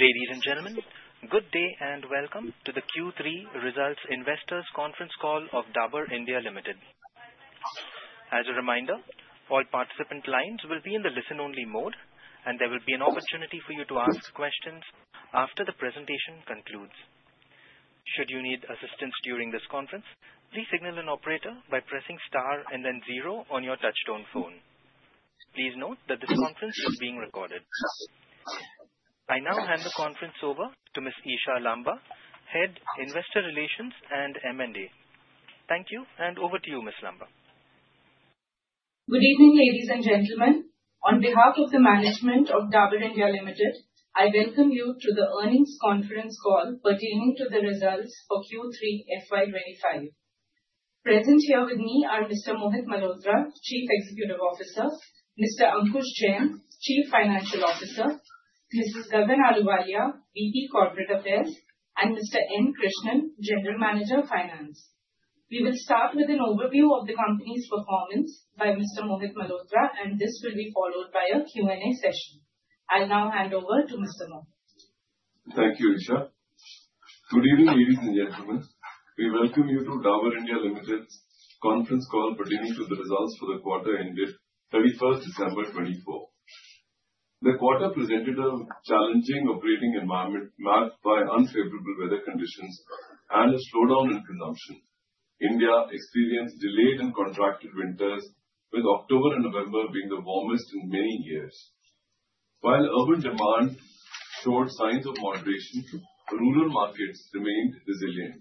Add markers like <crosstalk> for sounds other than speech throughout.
Ladies and gentlemen, good day and welcome to the Q3 Results Investors Conference Call of Dabur India Limited. As a reminder, all participant lines will be in the listen-only mode, and there will be an opportunity for you to ask questions after the presentation concludes. Should you need assistance during this conference, please signal an operator by pressing star and then zero on your touch-tone phone. Please note that this conference is being recorded. I now hand the conference over to Ms. Isha Lamba, Head Investor Relations and M&A. Thank you, and over to you, Ms. Lamba. Good evening, ladies and gentlemen. On behalf of the management of Dabur India Limited, I welcome you to the earnings conference call pertaining to the results for Q3 FY 25. Present here with me are Mr. Mohit Malhotra, Chief Executive Officer, Mr. Ankush Jain, Chief Financial Officer, Mrs. Gagan Ahluwalia, Vice President of Corporate Affairs, and Mr. N. Krishnan, General Manager, Finance. We will start with an overview of the company's performance by Mr. Mohit Malhotra, and this will be followed by a Q&A session. I'll now hand over to Mr. Mohit. Thank you, Isha. Good evening, ladies and gentlemen. We welcome you to Dabur India Limited's conference call pertaining to the results for the quarter ended 31st December 2024. The quarter presented a challenging operating environment marked by unfavorable weather conditions and a slowdown in consumption. India experienced delayed and contracted winters, with October and November being the warmest in many years. While urban demand showed signs of moderation, rural markets remained resilient.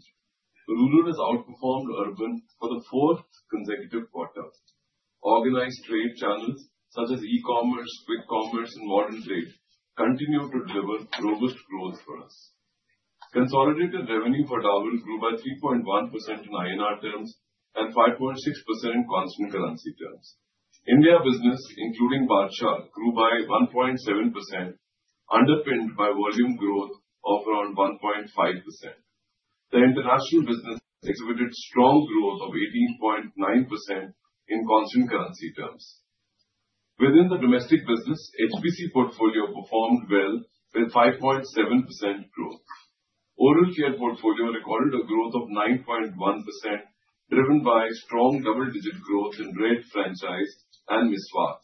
Rural has outperformed urban for the fourth consecutive quarter. Organized trade channels such as e-commerce, quick commerce, and modern trade continue to deliver robust growth for us. Consolidated revenue for Dabur grew by 3.1% in INR terms and 5.6% in constant currency terms. India business, including Badshah, grew by 1.7%, underpinned by volume growth of around 1.5%. The international business exhibited strong growth of 18.9% in constant currency terms. Within the domestic business, HPC portfolio performed well with 5.7% growth. Oral care portfolio recorded a growth of 9.1%, driven by strong double-digit growth in Red franchise and Meswak.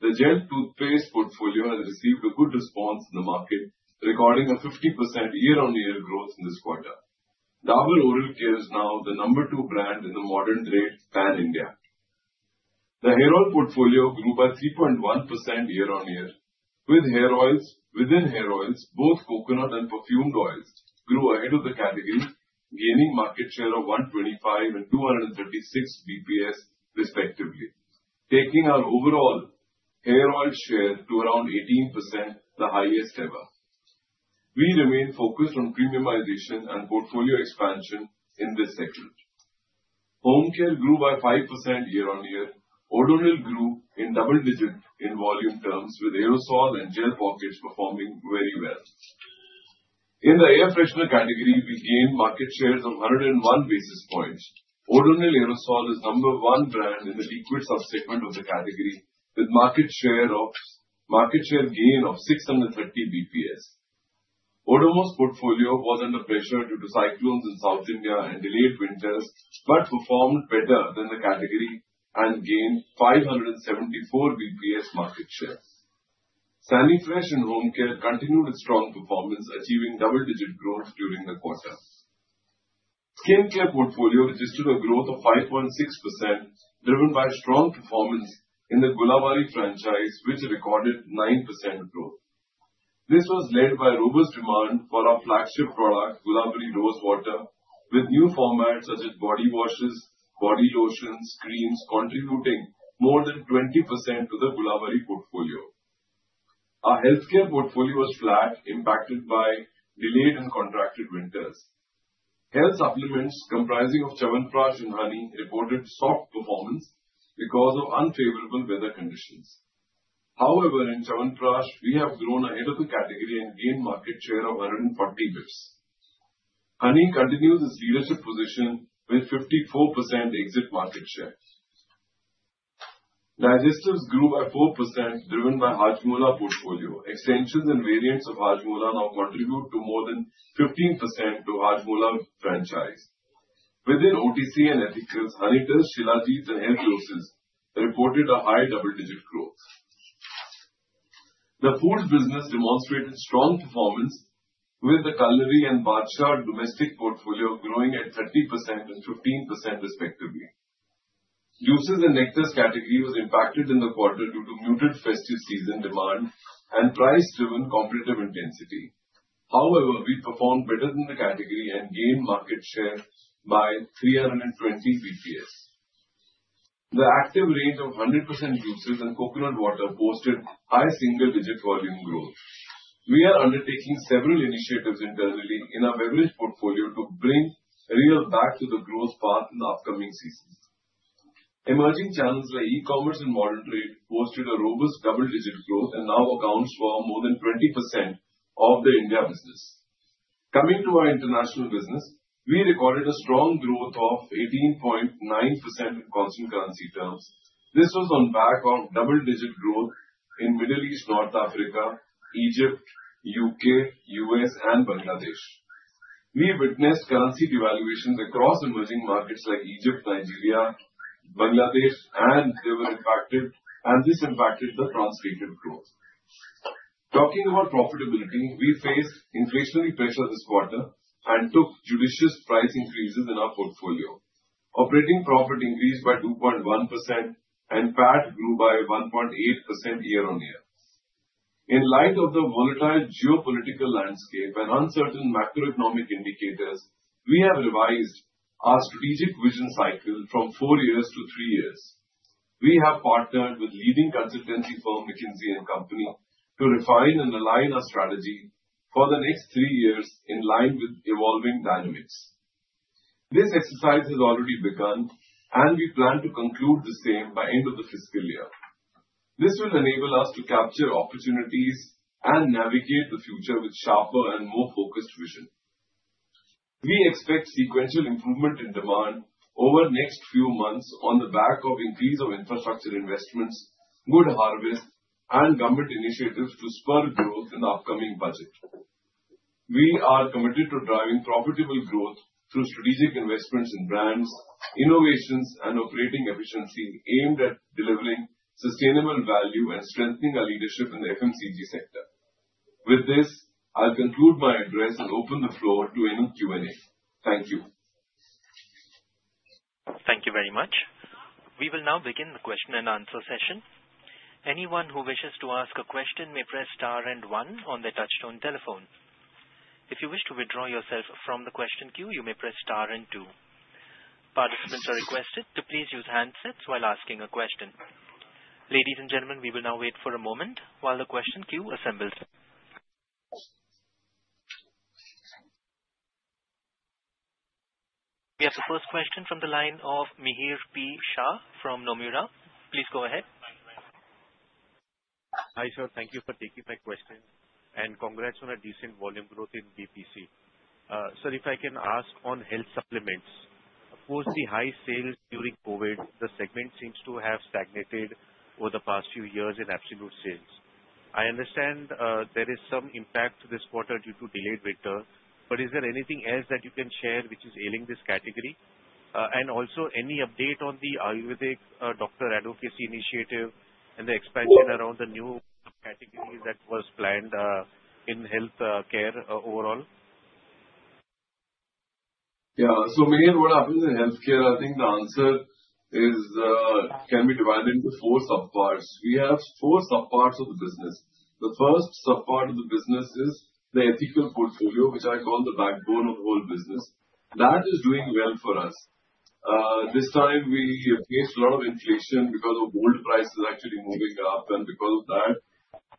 The gel toothpaste portfolio has received a good response in the market, recording a 50% year-on-year growth in this quarter. Dabur oral care is now the number two brand in the modern trade pan-India. The hair oil portfolio grew by 3.1% year-on-year, with hair oils, within hair oils, both coconut and perfumed oils, grew ahead of the category, gaining market share of 125 and 236 basis points respectively, taking our overall hair oil share to around 18%, the highest ever. We remain focused on premiumization and portfolio expansion in this segment. Home care grew by 5% year-on-year. Odonil grew in double-digit in volume terms, with aerosol and gel pockets performing very well. In the air freshener category, we gained market share of 101 basis points. Odonil aerosol is number one brand in the liquid subsegment of the category, with market share gain of 630 basis points. Odomos's portfolio was under pressure due to cyclones in South India and delayed winters, but performed better than the category and gained 574 basis points market share. Sanifresh and Home care continued its strong performance, achieving double-digit growth during the quarter. Skincare portfolio registered a growth of 5.6%, driven by strong performance in the Gulabari franchise, which recorded 9% growth. This was led by robust demand for our flagship product, Gulabari Rose Water, with new formats such as body washes, body lotions, and creams contributing more than 20% to the Gulabari portfolio. Our healthcare portfolio was flat, impacted by delayed and contracted winters. Health supplements comprising of Chyawanprash and honey reported soft performance because of unfavorable weather conditions. However, in Chyawanprash, we have grown ahead of the category and gained market share of 140 basis points. Honey continues its leadership position with 54% exit market share. Digestives grew by 4%, driven by Hajmola portfolio. Extensions and variants of Hajmola now contribute to more than 15% to Hajmola franchise. Within OTC and ethicals, Honitus, Shilajit, and Health Juices reported a high double-digit growth. The food business demonstrated strong performance, with the culinary and Badshah domestic portfolio growing at 30% and 15% respectively. Juices and nectars category was impacted in the quarter due to muted festive season demand and price-driven competitive intensity. However, we performed better than the category and gained market share by 320 basis points. The Activ range of 100% juices and coconut water posted high single-digit volume growth. We are undertaking several initiatives internally in our beverage portfolio to bring Real back to the growth path in the upcoming season. Emerging channels like e-commerce and modern trade posted a robust double-digit growth and now accounts for more than 20% of the India business. Coming to our international business, we recorded a strong growth of 18.9% in constant currency terms. This was on back of double-digit growth in Middle East, North Africa, Egypt, the U.K., the U.S., and Bangladesh. We witnessed currency devaluations across emerging markets like Egypt, Nigeria, Bangladesh, and they were impacted, and this impacted the translated growth. Talking about profitability, we faced inflationary pressure this quarter and took judicious price increases in our portfolio. Operating profit increased by 2.1%, and PAT grew by 1.8% year-on-year. In light of the volatile geopolitical landscape and uncertain macroeconomic indicators, we have revised our strategic vision cycle from four years to three years. We have partnered with leading consultancy firm McKinsey & Company to refine and align our strategy for the next three years in line with evolving dynamics. This exercise has already begun, and we plan to conclude the same by the end of the fiscal year. This will enable us to capture opportunities and navigate the future with sharper and more focused vision. We expect sequential improvement in demand over the next few months on the back of increase of infrastructure investments, good harvest, and government initiatives to spur growth in the upcoming budget. We are committed to driving profitable growth through strategic investments in brands, innovations, and operating efficiency aimed at delivering sustainable value and strengthening our leadership in the FMCG sector. With this, I'll conclude my address and open the floor to any Q&A. Thank you. Thank you very much. We will now begin the question and answer session. Anyone who wishes to ask a question may press star and one on the touchstone telephone. If you wish to withdraw yourself from the question queue, you may press star and two. Participants are requested to please use handsets while asking a question. Ladies and gentlemen, we will now wait for a moment while the question queue assembles. We have the first question from the line of Mihir P. Shah from Nomura. Please go ahead. Hi, sir. Thank you for taking my question, and congrats on a decent volume growth in BPC. Sir, if I can ask on health supplements, post the high sales during COVID, the segment seems to have stagnated over the past few years in absolute sales. I understand there is some impact this quarter due to delayed winter, but is there anything else that you can share which is ailing this category? And also, any update on the Ayurvedic doctor advocacy initiative and the expansion around the new category that was planned in healthcare overall? Yeah, so Mahendra, what happened in healthcare, I think the answer can be divided into four subparts. We have four subparts of the business. The first subpart of the business is the ethical portfolio, which I call the backbone of the whole business. That is doing well for us. This time, we faced a lot of inflation because of gold prices actually moving up, and because of that,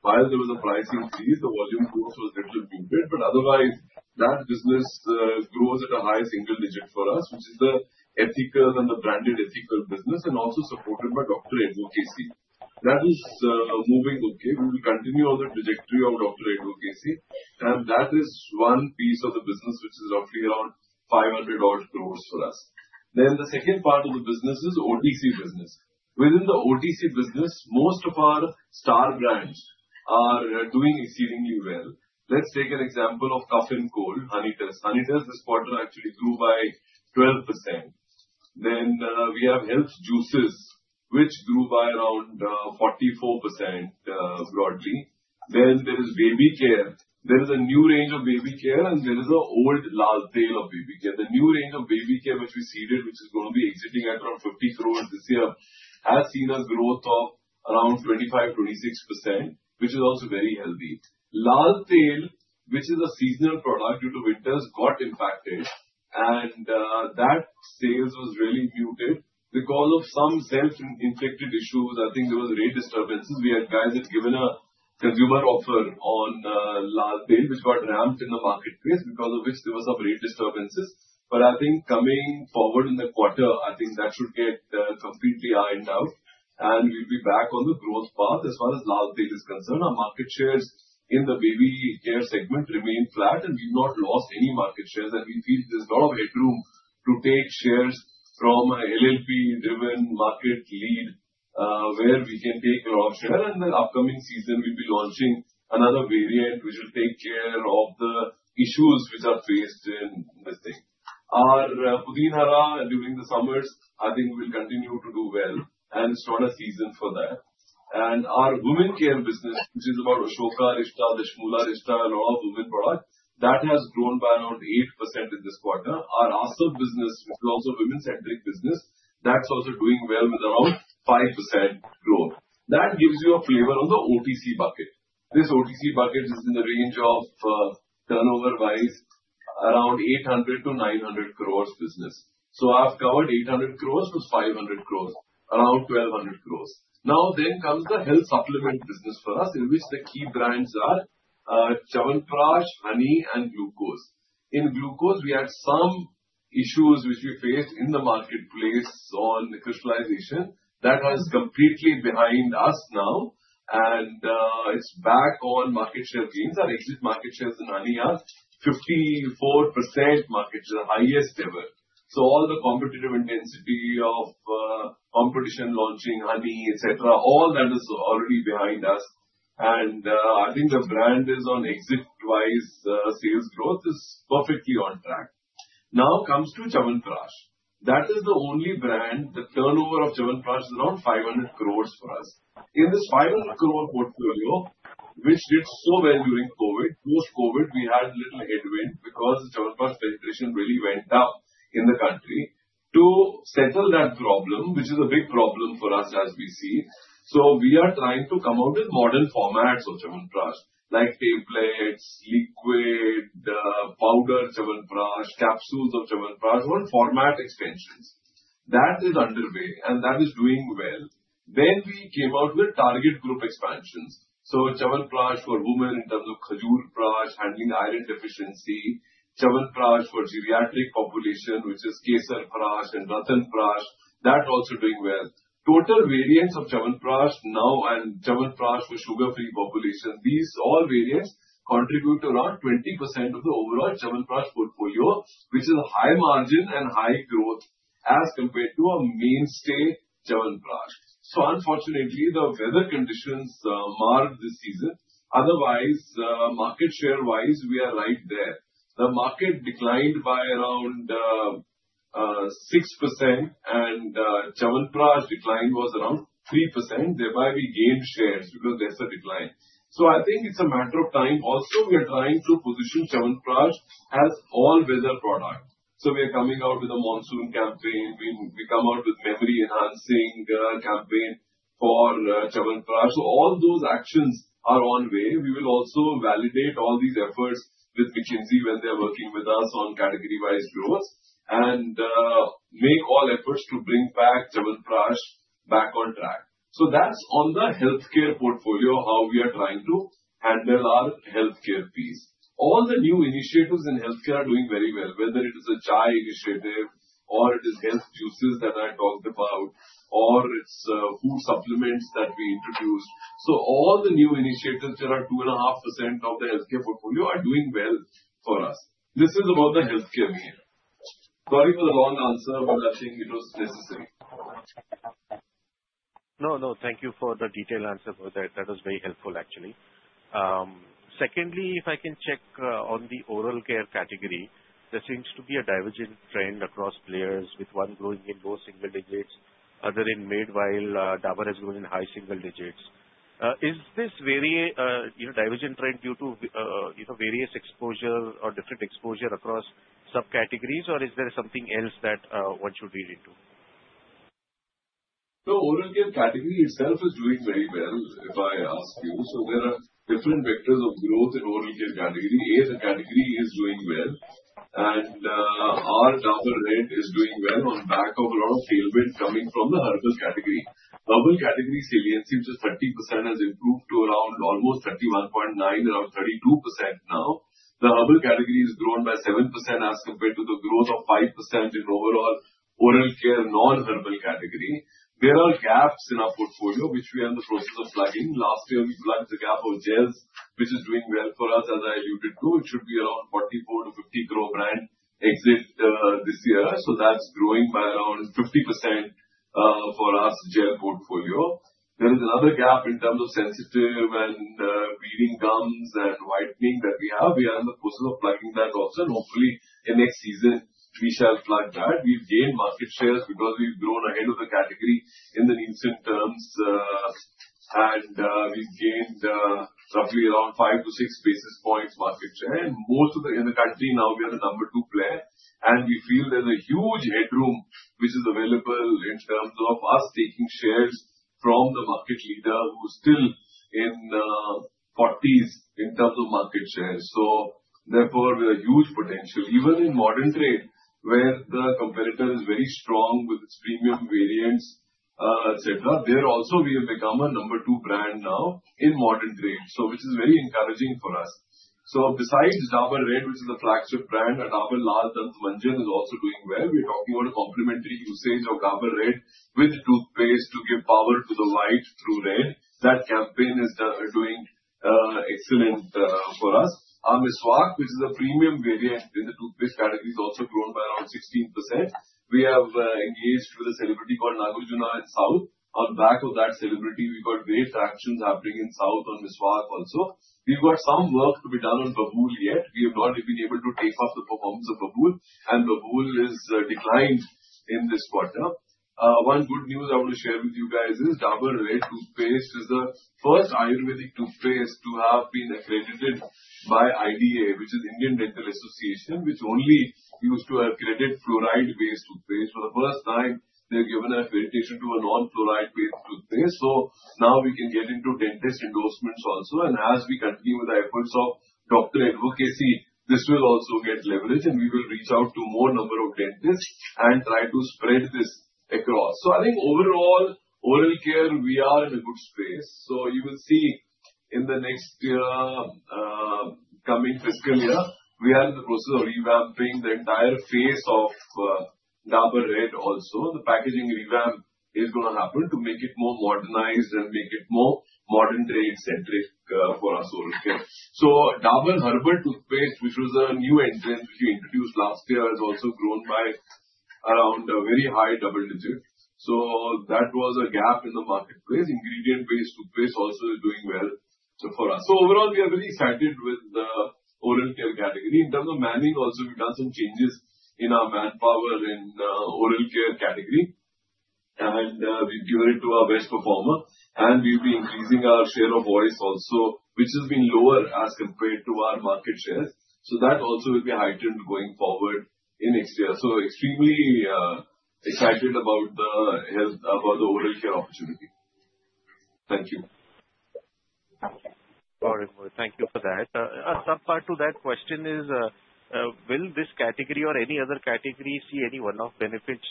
while there was a price increase, the volume growth was a little muted. But otherwise, that business grows at a high single digit for us, which is the ethical and the branded ethical business, and also supported by doctor advocacy. That is moving okay. We will continue on the trajectory of doctor advocacy, and that is one piece of the business which is roughly around $500 growth for us. Then the second part of the business is OTC business. Within the OTC business, most of our star brands are doing exceedingly well. Let's take an example of cough and cold, Honitus. Honitus this quarter actually grew by 12%. Then we have health juices, which grew by around 44% broadly. Then there is baby care. There is a new range of baby care, and there is an old Lal Tail of baby care. The new range of baby care which we seeded, which is going to be exiting at around 50 crores this year, has seen a growth of around 25%-26%, which is also very healthy. Lal Tail, which is a seasonal product due to winters, got impacted, and that sales was really muted because of some self-inflicted issues. I think there were rate disturbances. We had guys that given a consumer offer on Lal Tail, which got ramped in the marketplace because of which there were some rate disturbances. But I think coming forward in the quarter, I think that should get completely ironed out, and we'll be back on the growth path as far as Lal Tail is concerned. Our market shares in the baby care segment remain flat, and we've not lost any market shares. And we feel there's a lot of headroom to take shares from an oil-driven market leader where we can take a lot of share. And the upcoming season, we'll be launching another variant which will take care of the issues which are faced in this thing. Our Pudin Hara, during the summers, I think we'll continue to do well, and it's not a season for that. Our women care business, which is about Ashokarishta, Dashmularishta, and all women products, that has grown by around 8% in this quarter. Our [audio distortiodistortion] business, which is also a women-centric business, that's also doing well with around 5% growth. That gives you a flavor on the OTC bucket. This OTC bucket is in the range of turnover-wise around 800-900 crores business. So I've covered 800 crores plus 500 crores, around 1200 crores. Now then comes the health supplement business for us, in which the key brands are Chyawanprash, honey, and glucose. In glucose, we had some issues which we faced in the marketplace on crystallization. That has completely behind us now, and it's back on market share gains. Our exit market shares in honey are 54% market share, the highest ever. All the competitive intensity of competition launching honey, etc., all that is already behind us. And I think the brand is on exit-wise sales growth is perfectly on track. Now comes to Chyawanprash. That is the only brand. The turnover of Chyawanprash is around 500 crores for us. In this 500-crore portfolio, which did so well during COVID, post-COVID, we had a little headwind because the Chyawanprash penetration really went down in the country to settle that problem, which is a big problem for us as we see. We are trying to come out with modern formats of Chyawanprash, like tablets, liquid, powder Chyawanprash, capsules of Chyawanprash, or format extensions. That is underway, and that is doing well. We came out with target group expansions. Chyawanprash for women in terms of Khajurprash, handling iron deficiency. Chyawanprash for geriatric population, which is Kesarprash and Ratnaprash, that also doing well. Total variants of Chyawanprash now and Chyawanprash for sugar-free population, these all variants contribute to around 20% of the overall Chyawanprash portfolio, which is a high margin and high growth as compared to a mainstay Chyawanprash. Unfortunately, the weather conditions marred this season. Otherwise, market share-wise, we are right there. The market declined by around 6%, and Chyawanprash decline was around 3%. Thereby, we gained shares because there's a decline. I think it's a matter of time. Also, we are trying to position Chyawanprash as an all-weather product. We are coming out with a monsoon campaign. We come out with a memory-enhancing campaign for Chyawanprash. All those actions are underway. We will also validate all these efforts with McKinsey when they are working with us on category-wise growth and make all efforts to bring Chyawanprash back on track. So that's on the healthcare portfolio, how we are trying to handle our healthcare piece. All the new initiatives in healthcare are doing very well, whether it is a chai initiative or it is health juices that I talked about or it's food supplements that we introduced. So all the new initiatives that are 2.5% of the healthcare portfolio are doing well for us. This is about the healthcare here. Sorry for the long answer, but I think it was necessary. No, no. Thank you for the detailed answer for that. That was very helpful, actually. Secondly, if I can check on the oral care category, there seems to be a divergent trend across players with one growing in low single digits, others in mid single digits while Dabur has grown in high single digits. Is this divergent trend due to various exposure or different exposure across subcategories, or is there something else that one should read into? The oral care category itself is doing very well, if I ask you. So there are different vectors of growth in oral care category. Ayurvedic category is doing well, and our Dabur Red is doing well on back of a lot of tailwind coming from the herbal category. Herbal category saliency, which is 30%, has improved to around almost 31.9%, around 32% now. The herbal category has grown by 7% as compared to the growth of 5% in overall oral care non-herbal category. There are gaps in our portfolio, which we are in the process of plugging. Last year, we plugged the gap of gels, which is doing well for us, as I alluded to. It should be around 44-50 crore brand exit this year. So that's growing by around 50% for us gel portfolio. There is another gap in terms of sensitive and bleeding gums and whitening that we have. We are in the process of plugging that also, and hopefully, in next season, we shall plug that. We've gained market shares because we've grown ahead of the category in units and value terms, and we've gained roughly around five to six basis points market share, and most of it in the country now, we are the number two player, and we feel there's a huge headroom which is available in terms of us taking shares from the market leader who is still in the 40s in terms of market shares, so therefore we have huge potential. Even in modern trade, where the competitor is very strong with its premium variants, etc., there also, we have become a number two brand now in modern trade, which is very encouraging for us. So besides Dabur Red, which is a flagship brand, Dabur Lal Dant Manjan is also doing well. We are talking about a complementary usage of Dabur Red with toothpaste to give power to the white through red. That campaign is doing excellent for us. Our Meswak, which is a premium variant in the toothpaste category, has also grown by around 16%. We have engaged with a celebrity called Nagarjuna in South. On the back of that celebrity, we've got great traction happening in South on Meswak also. We've got some work to be done on Babool yet. We have not been able to pick up the performance of Babool, and Babool is declined in this quarter. One good news I want to share with you guys is Dabur Red Toothpaste is the first Ayurvedic toothpaste to have been accredited by IDA, which is Indian Dental Association, which only used to accredit fluoride-based toothpaste. For the first time, they've given accreditation to a non-fluoride-based toothpaste. So now we can get into dentist endorsements also. And as we continue with the efforts of doctor advocacy, this will also get leverage, and we will reach out to more number of dentists and try to spread this across. So I think overall, oral care, we are in a good space. So you will see in the next coming fiscal year, we are in the process of revamping the entire face of Dabur Red also. The packaging revamp is going to happen to make it more modernized and make it more modern trade-centric for us oral care. Dabur Herbal Toothpaste, which was a new entrant which we introduced last year, has also grown by around a very high double-digit. That was a gap in the marketplace. Ingredient-based toothpaste also is doing well for us. Overall, we are very excited with the oral care category. In terms of manning, also, we've done some changes in our manpower in oral care category, and we've given it to our best performer. We'll be increasing our share of voice also, which has been lower as compared to our market shares. That also will be heightened going forward in next year. We are extremely excited about the health, about the oral care opportunity. Thank you. Thank you for that. A subpart to that question is, will this category or any other category see any one-off benefits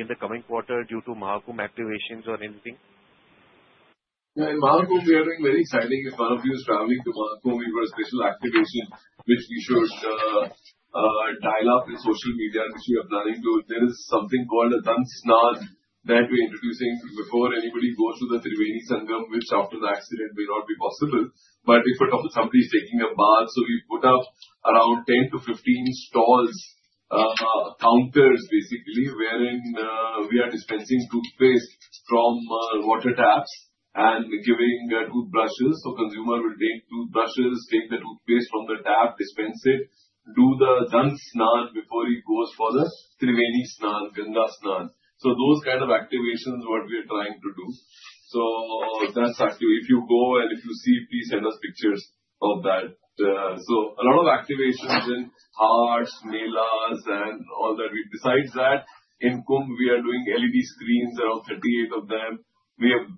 in the coming quarter due to Maha Kumbh activations or anything? Maha Kumbh, we are doing very exciting. If one of you is traveling to Maha Kumbh, we've got a special activation which we should dial up in social media, which we are planning to. There is something called a Dant Snan that we're introducing before anybody goes to the Triveni Sangam, which after the accident may not be possible. But if somebody is taking a bath, so we put up around 10-15 stalls, counters, basically, wherein we are dispensing toothpaste from water taps and giving toothbrushes. So consumer will take toothbrushes, take the toothpaste from the tap, dispense it, do the Dant Snan before he goes for the Triveni Snan, Ganga Snan. So those kind of activations are what we are trying to do. So that's active. If you go and if you see, please send us pictures of that. So a lot of activations in haats, melas, and all that. Besides that, in Kumbh, we are doing LED screens, around 38 of them. We have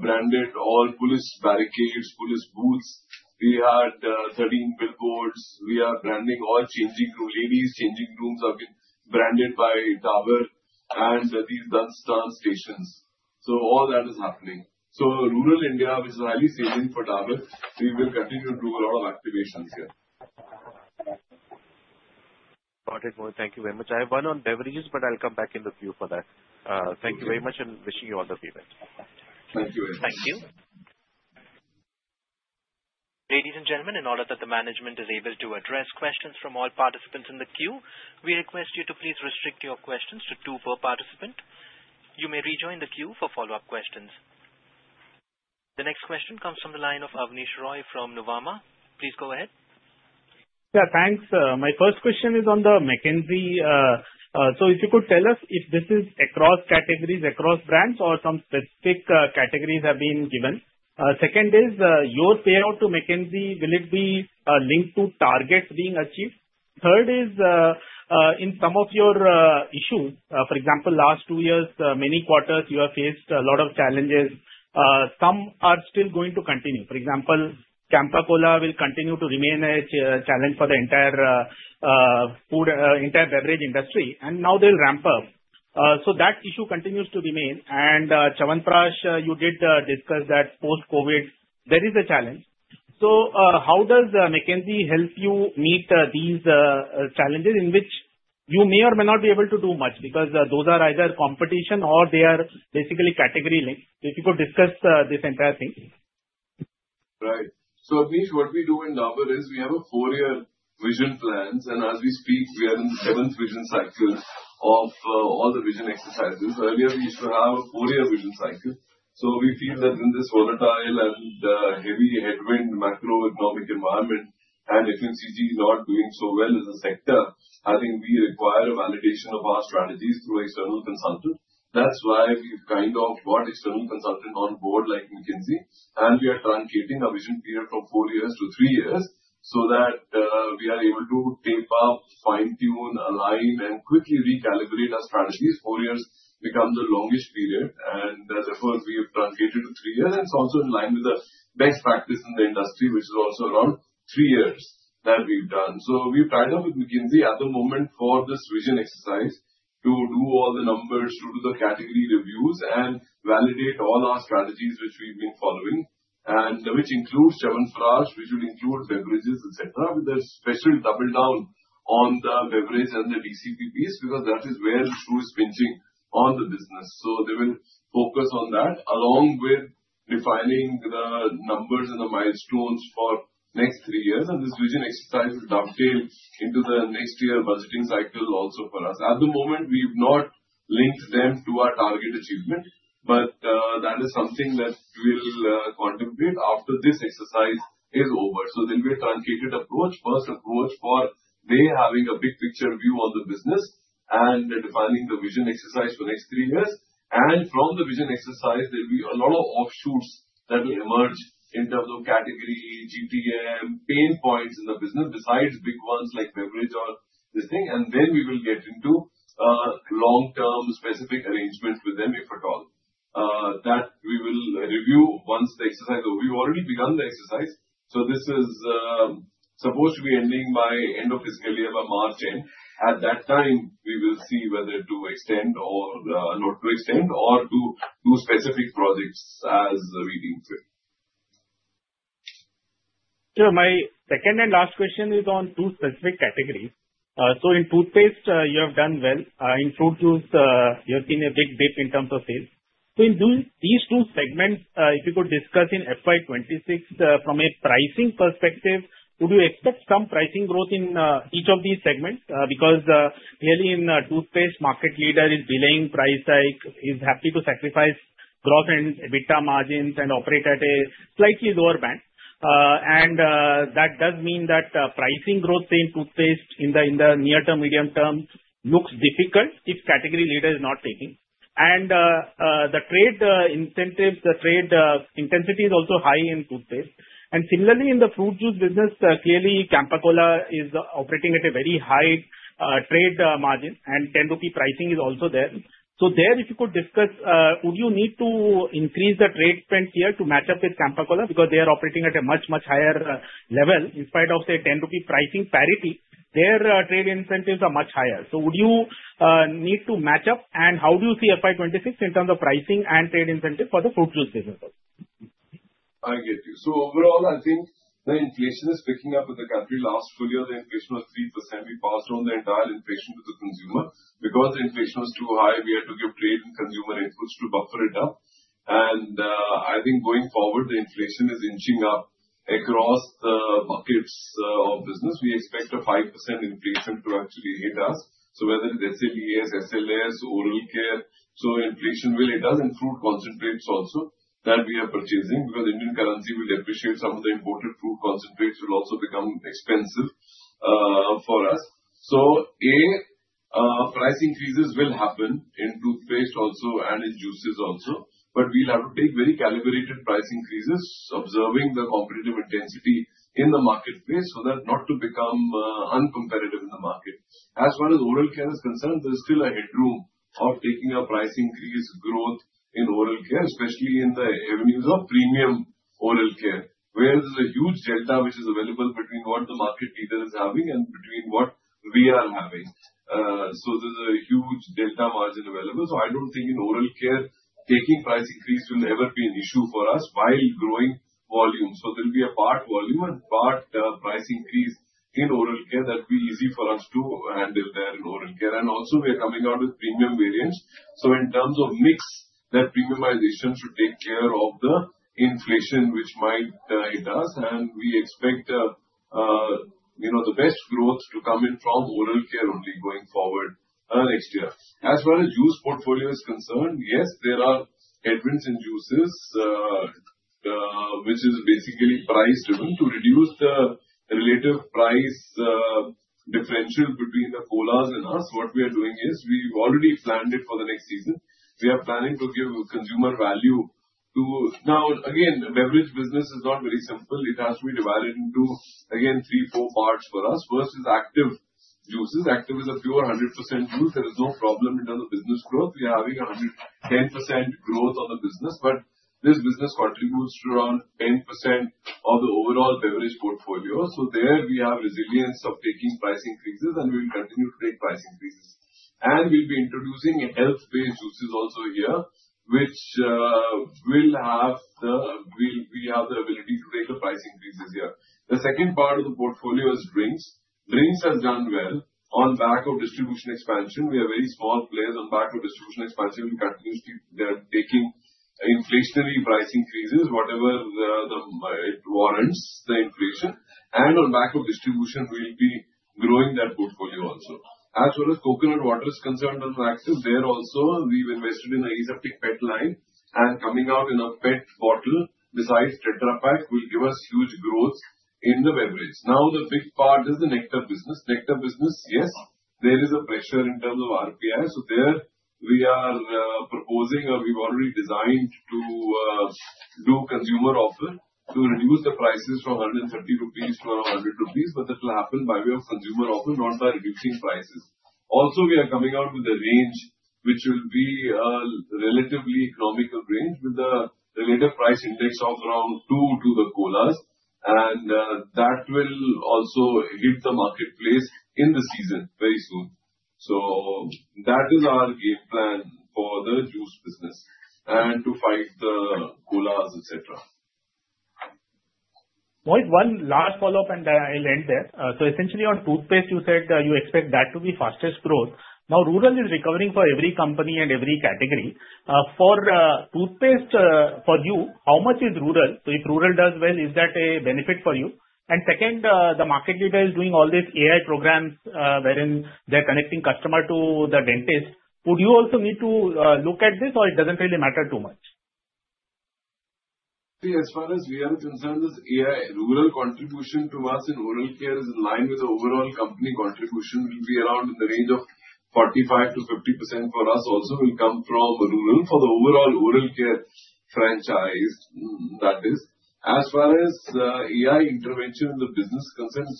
branded all police barricades, police booths. We had 13 billboards. We are branding all changing rooms. Ladies' changing rooms have been branded by Dabur and these Dant Snan stations. So all that is happening. So rural India, which is highly salient for Dabur, we will continue to do a lot of activations here. Got it. Thank you very much. I have one on beverages, but I'll come back in the queue for that. Thank you very much and wishing you all the very best. Thank you very much. Thank you. Ladies and gentlemen, in order that the management is able to address questions from all participants in the queue, we request you to please restrict your questions to two per participant. You may rejoin the queue for follow-up questions. The next question comes from the line of Abneesh Roy from Nuvama. Please go ahead. Yeah, thanks. My first question is on the McKinsey. So if you could tell us if this is across categories, across brands, or some specific categories have been given. Second is your payout to McKinsey, will it be linked to targets being achieved? Third is in some of your issues, for example, last two years, many quarters, you have faced a lot of challenges. Some are still going to continue. For example, Campa Cola will continue to remain a challenge for the entire beverage industry, and now they'll ramp up. So that issue continues to remain. And Chyawanprash, you did discuss that post-COVID, there is a challenge. So how does McKinsey help you meet these challenges in which you may or may not be able to do much because those are either competition or they are basically category linked? If you could discuss this entire thing. Right. So, Abneesh, what we do in Dabur is we have a four-year vision plan. And as we speak, we are in the seventh vision cycle of all the vision exercises. Earlier, we used to have a four-year vision cycle. So we feel that in this volatile and heavy headwind macroeconomic environment and FMCG not doing so well as a sector, I think we require a validation of our strategies through external consultant. That's why we've kind of got external consultant on board like McKinsey. And we are truncating our vision period from four years to three years so that we are able to team up, fine-tune, align, and quickly recalibrate our strategies. Four years becomes the longest period. And therefore, we have truncated to three years. And it's also in line with the best practice in the industry, which is also around three years that we've done. So we've tied up with McKinsey at the moment for this vision exercise to do all the numbers due to the category reviews and validate all our strategies which we've been following, which includes Chyawanprash, which would include beverages, etc., with a special double down on the beverage and the HCP piece because that is where the shoe is pinching on the business. So they will focus on that along with defining the numbers and the milestones for next three years. And this vision exercise will dovetail into the next year budgeting cycle also for us. At the moment, we've not linked them to our target achievement, but that is something that we'll contemplate after this exercise is over. So there'll be a truncated approach, first approach for their having a big picture view on the business and defining the vision exercise for next three years. From the vision exercise, there'll be a lot of offshoots that will emerge in terms of category, GTM, pain points in the business besides big ones like beverage or this thing. Then we will get into long-term specific arrangements with them, if at all, that we will review once the exercise overview. We've already begun the exercise. This is supposed to be ending by end of fiscal year, by March end. At that time, we will see whether to extend or not to extend or to do specific projects as we deem fit. Yeah. My second and last question is on two specific categories. So in toothpaste, you have done well. In fruit juice, you have seen a big dip in terms of sales. So in these two segments, if you could discuss in FY26, from a pricing perspective, would you expect some pricing growth in each of these segments? Because clearly, in toothpaste, market leader is delaying price hike, is happy to sacrifice gross and EBITDA margins and operate at a slightly lower band. And that does mean that pricing growth in toothpaste in the near-term, medium term looks difficult if category leader is not taking. And the trade incentives, the trade intensity is also high in toothpaste. And similarly, in the fruit juice business, clearly, Campa Cola is operating at a very high trade margin, and 10 rupee pricing is also there. So there, if you could discuss, would you need to increase the trade spend here to match up with Campa Cola because they are operating at a much, much higher level in spite of, say, 10 rupee pricing parity, their trade incentives are much higher? So would you need to match up? And how do you see FY26 in terms of pricing and trade incentive for the fruit juice business? I get you. So overall, I think the inflation is picking up in the country. Last full year, the inflation was 3%. We passed on the entire inflation to the consumer. Because the inflation was too high, we had to give trade and consumer inputs to buffer it up. And I think going forward, the inflation is inching up across the buckets of business. We expect a 5% inflation to actually hit us. So whether it's SLES, SLS, oral care. So inflation will hit us in fruit concentrates also that we are purchasing because Indian currency will depreciate. Some of the imported fruit concentrates will also become expensive for us. So A, price increases will happen in toothpaste also and in juices also. But we'll have to take very calibrated price increases, observing the competitive intensity in the marketplace so that not to become uncompetitive in the market. As far as oral care is concerned, there's still a headroom of taking a price increase growth in oral care, especially in the avenues of premium oral care, where there's a huge delta which is available between what the market leader is having and between what we are having. So there's a huge delta margin available. So I don't think in oral care, taking price increase will ever be an issue for us while growing volume. So there'll be a part volume and part price increase in oral care that will be easy for us to handle there in oral care. And also, we are coming out with premium variants. So in terms of mix, that premiumization should take care of the inflation which might hit us. And we expect the best growth to come in from oral care only going forward next year. As far as juice portfolio is concerned, yes, there are headwinds in juices, which is basically price-driven to reduce the relative price differential between the colas and us. What we are doing is we've already planned it for the next season. We are planning to give consumer value to now. Again, beverage business is not very simple. It has to be divided into, again, three, four parts for us. First is Active juices. Active is a pure 100% juice. There is no problem in terms of business growth. We are having 110% growth on the business. But this business contributes to around 10% of the overall beverage portfolio. So there, we have resilience of taking price increases, and we'll continue to take price increases. And we'll be introducing health-based juices also here, which we have the ability to take the price increases here. The second part of the portfolio is drinks. Drinks has done well on back of distribution expansion. We are very small players on back of distribution expansion. We continuously are taking inflationary price increases, whatever it warrants the inflation. And on back of distribution, we'll be growing that portfolio also. As far as coconut water is concerned on Active, there also, we've invested in an Aseptic PET line and coming out in a PET bottle besides Tetra Pak will give us huge growth in the beverage. Now, the big part is the nectar business. Nectar business, yes, there is a pressure in terms of RPI. So there, we are proposing or we've already designed to do consumer offer to reduce the prices from 130 rupees to around 100 rupees, but that will happen by way of consumer offer, not by reducing prices. Also, we are coming out with a range which will be a relatively economical range with a Relative Price Index of around two to the colas. And that will also hit the marketplace in the season very soon. So that is our game plan for the juice business and to fight the colas, etc. Mohit, one last follow-up, and I'll end there. So essentially, on toothpaste, you said you expect that to be fastest growth. Now, rural is recovering for every company and every category. For toothpaste, for you, how much is rural? So if rural does well, is that a benefit for you? And second, the market leader is doing all these AI programs wherein they're connecting customer to the dentist. Would you also need to look at this, or it doesn't really matter too much? See, as far as we are concerned, this our rural contribution to us in oral care is in line with the overall company contribution. It will be around in the range of 45%-50% for us also will come from rural for the overall oral care franchise that is. As far as our intervention in the business concerns,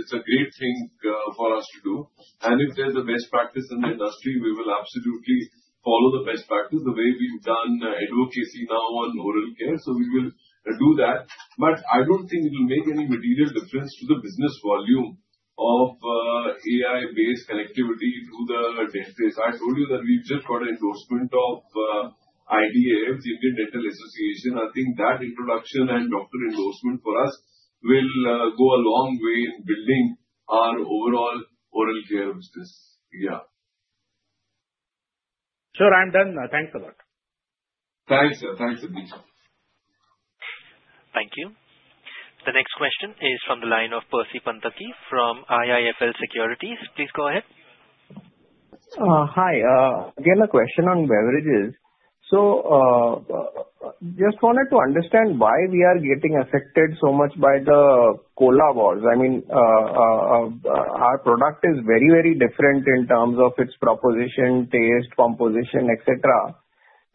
it's a great thing for us to do. And if there's a best practice in the industry, we will absolutely follow the best practice the way we've done advocacy now on oral care. So we will do that. But I don't think it will make any material difference to the business volume of AI-based connectivity to the dentist. I told you that we've just got an endorsement of IDA, the Indian Dental Association. I think that introduction and doctor endorsement for us will go a long way in building our overall oral care business. Yeah. Sir, I'm done. Thanks a lot. Thanks, sir. Thanks, Abneesh. Thank you. The next question is from the line of Percy Panthaki from IIFL Securities. Please go ahead. Hi. Again, a question on beverages. So just wanted to understand why we are getting affected so much by the cola wars. I mean, our product is very, very different in terms of its proposition, taste, composition, etc.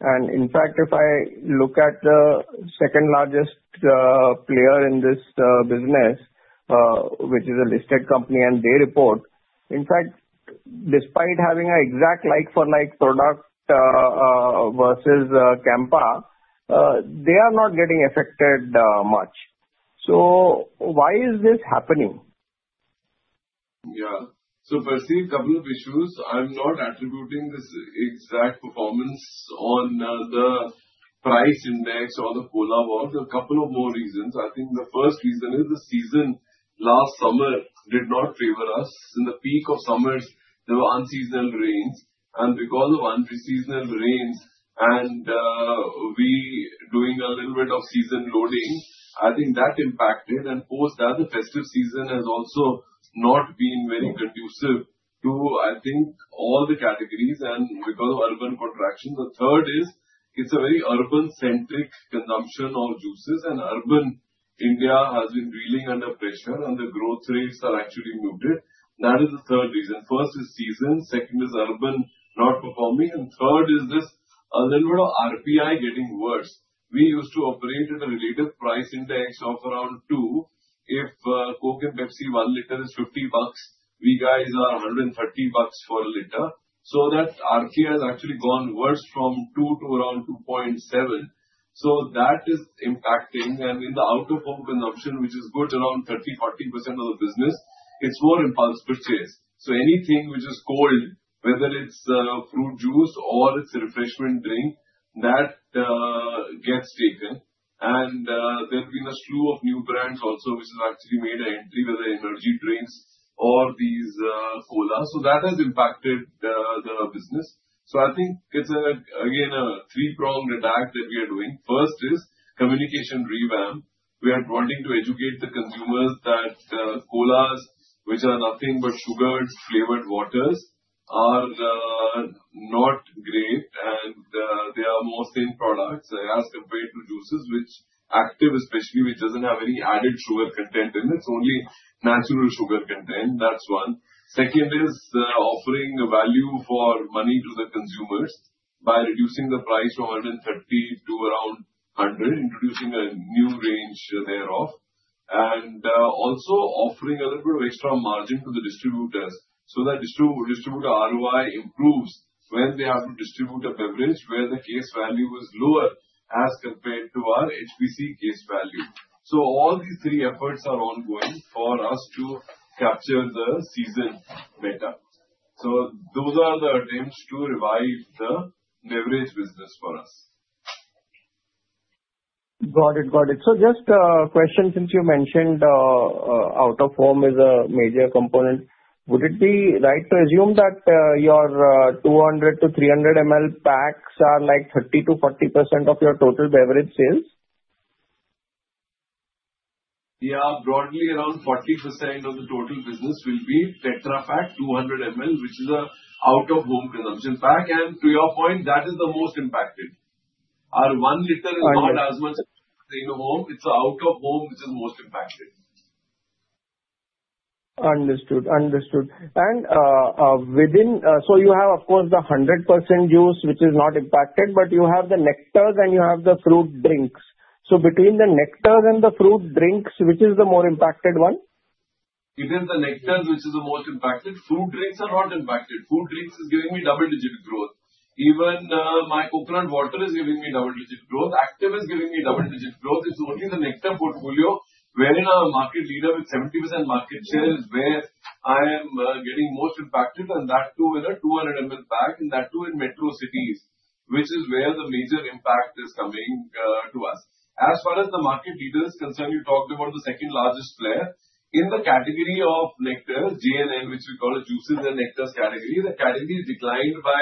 And in fact, if I look at the second largest player in this business, which is a listed company, and they report, in fact, despite having an exact like-for-like product versus Campa, they are not getting affected much. So why is this happening? Yeah. So Percy, a couple of issues. I'm not attributing this exact performance on the price index or the cola wars. There are a couple of more reasons. I think the first reason is the season last summer did not favor us. In the peak of summers, there were unseasonal rains. And because of unseasonal rains and we doing a little bit of season loading, I think that impacted and post that the festive season has also not been very conducive to, I think, all the categories and because of urban contraction. The third is it's a very urban-centric consumption of juices, and urban India has been dealing under pressure, and the growth rates are actually muted. That is the third reason. First is season. Second is urban not performing. And third is this a little bit of RPI getting worse. We used to operate at a relative price index of around two. If Coke and Pepsi, one liter is INR 50, we guys are INR 130 for a liter. So that RPI has actually gone worse from two to around 2.7. So that is impacting. And in the out-of-home consumption, which is good, around 30%, 40% of the business, it is more impulse purchase. So anything which is cold, whether it is fruit juice or it is a refreshment drink, that gets taken. And there has been a slew of new brands also, which have actually made an entry, whether energy drinks or these colas. So that has impacted the business. So I think it is again a three-pronged attack that we are doing. First is communication revamp. We are wanting to educate the consumers that colas, which are nothing but sugar-flavored waters, are not great, and they are more thin products as compared to juices, which Active, especially, which doesn't have any added sugar content in. It's only natural sugar content. That's one. Second is offering value for money to the consumers by reducing the price from 130 to around 100, introducing a new range thereof, and also offering a little bit of extra margin to the distributors so that distributor ROI improves when they have to distribute a beverage where the case value is lower as compared to our HPC case value. So all these three efforts are ongoing for us to capture the season better. So those are the attempts to revive the beverage business for us. Got it. Got it. So just a question, since you mentioned out-of-home is a major component, would it be right to assume that your 200-300 ml packs are like 30%-40% of your total beverage sales? Yeah. Broadly, around 40% of the total business will be Tetra Pak 200 ml, which is an out-of-home consumption pack. To your point, that is the most impacted. Our one liter is not as much in-home. It's out-of-home, which is most impacted. Understood. And so you have, of course, the 100% juice, which is not impacted, but you have the nectars and you have the fruit drinks. So between the nectars and the fruit drinks, which is the more impacted one? It is the nectars, which is the most impacted. Fruit drinks are not impacted. Fruit drinks is giving me double-digit growth. Even my coconut water is giving me double-digit growth. Active is giving me double-digit growth. It's only the nectar portfolio wherein our market leader with 70% market share is where I am getting most impacted, and that too in a 200 ml pack, and that too in metro cities, which is where the major impact is coming to us. As far as the market leader is concerned, you talked about the second largest player. In the category of nectars, JNN, which we call a juices and nectars category, the category is declined by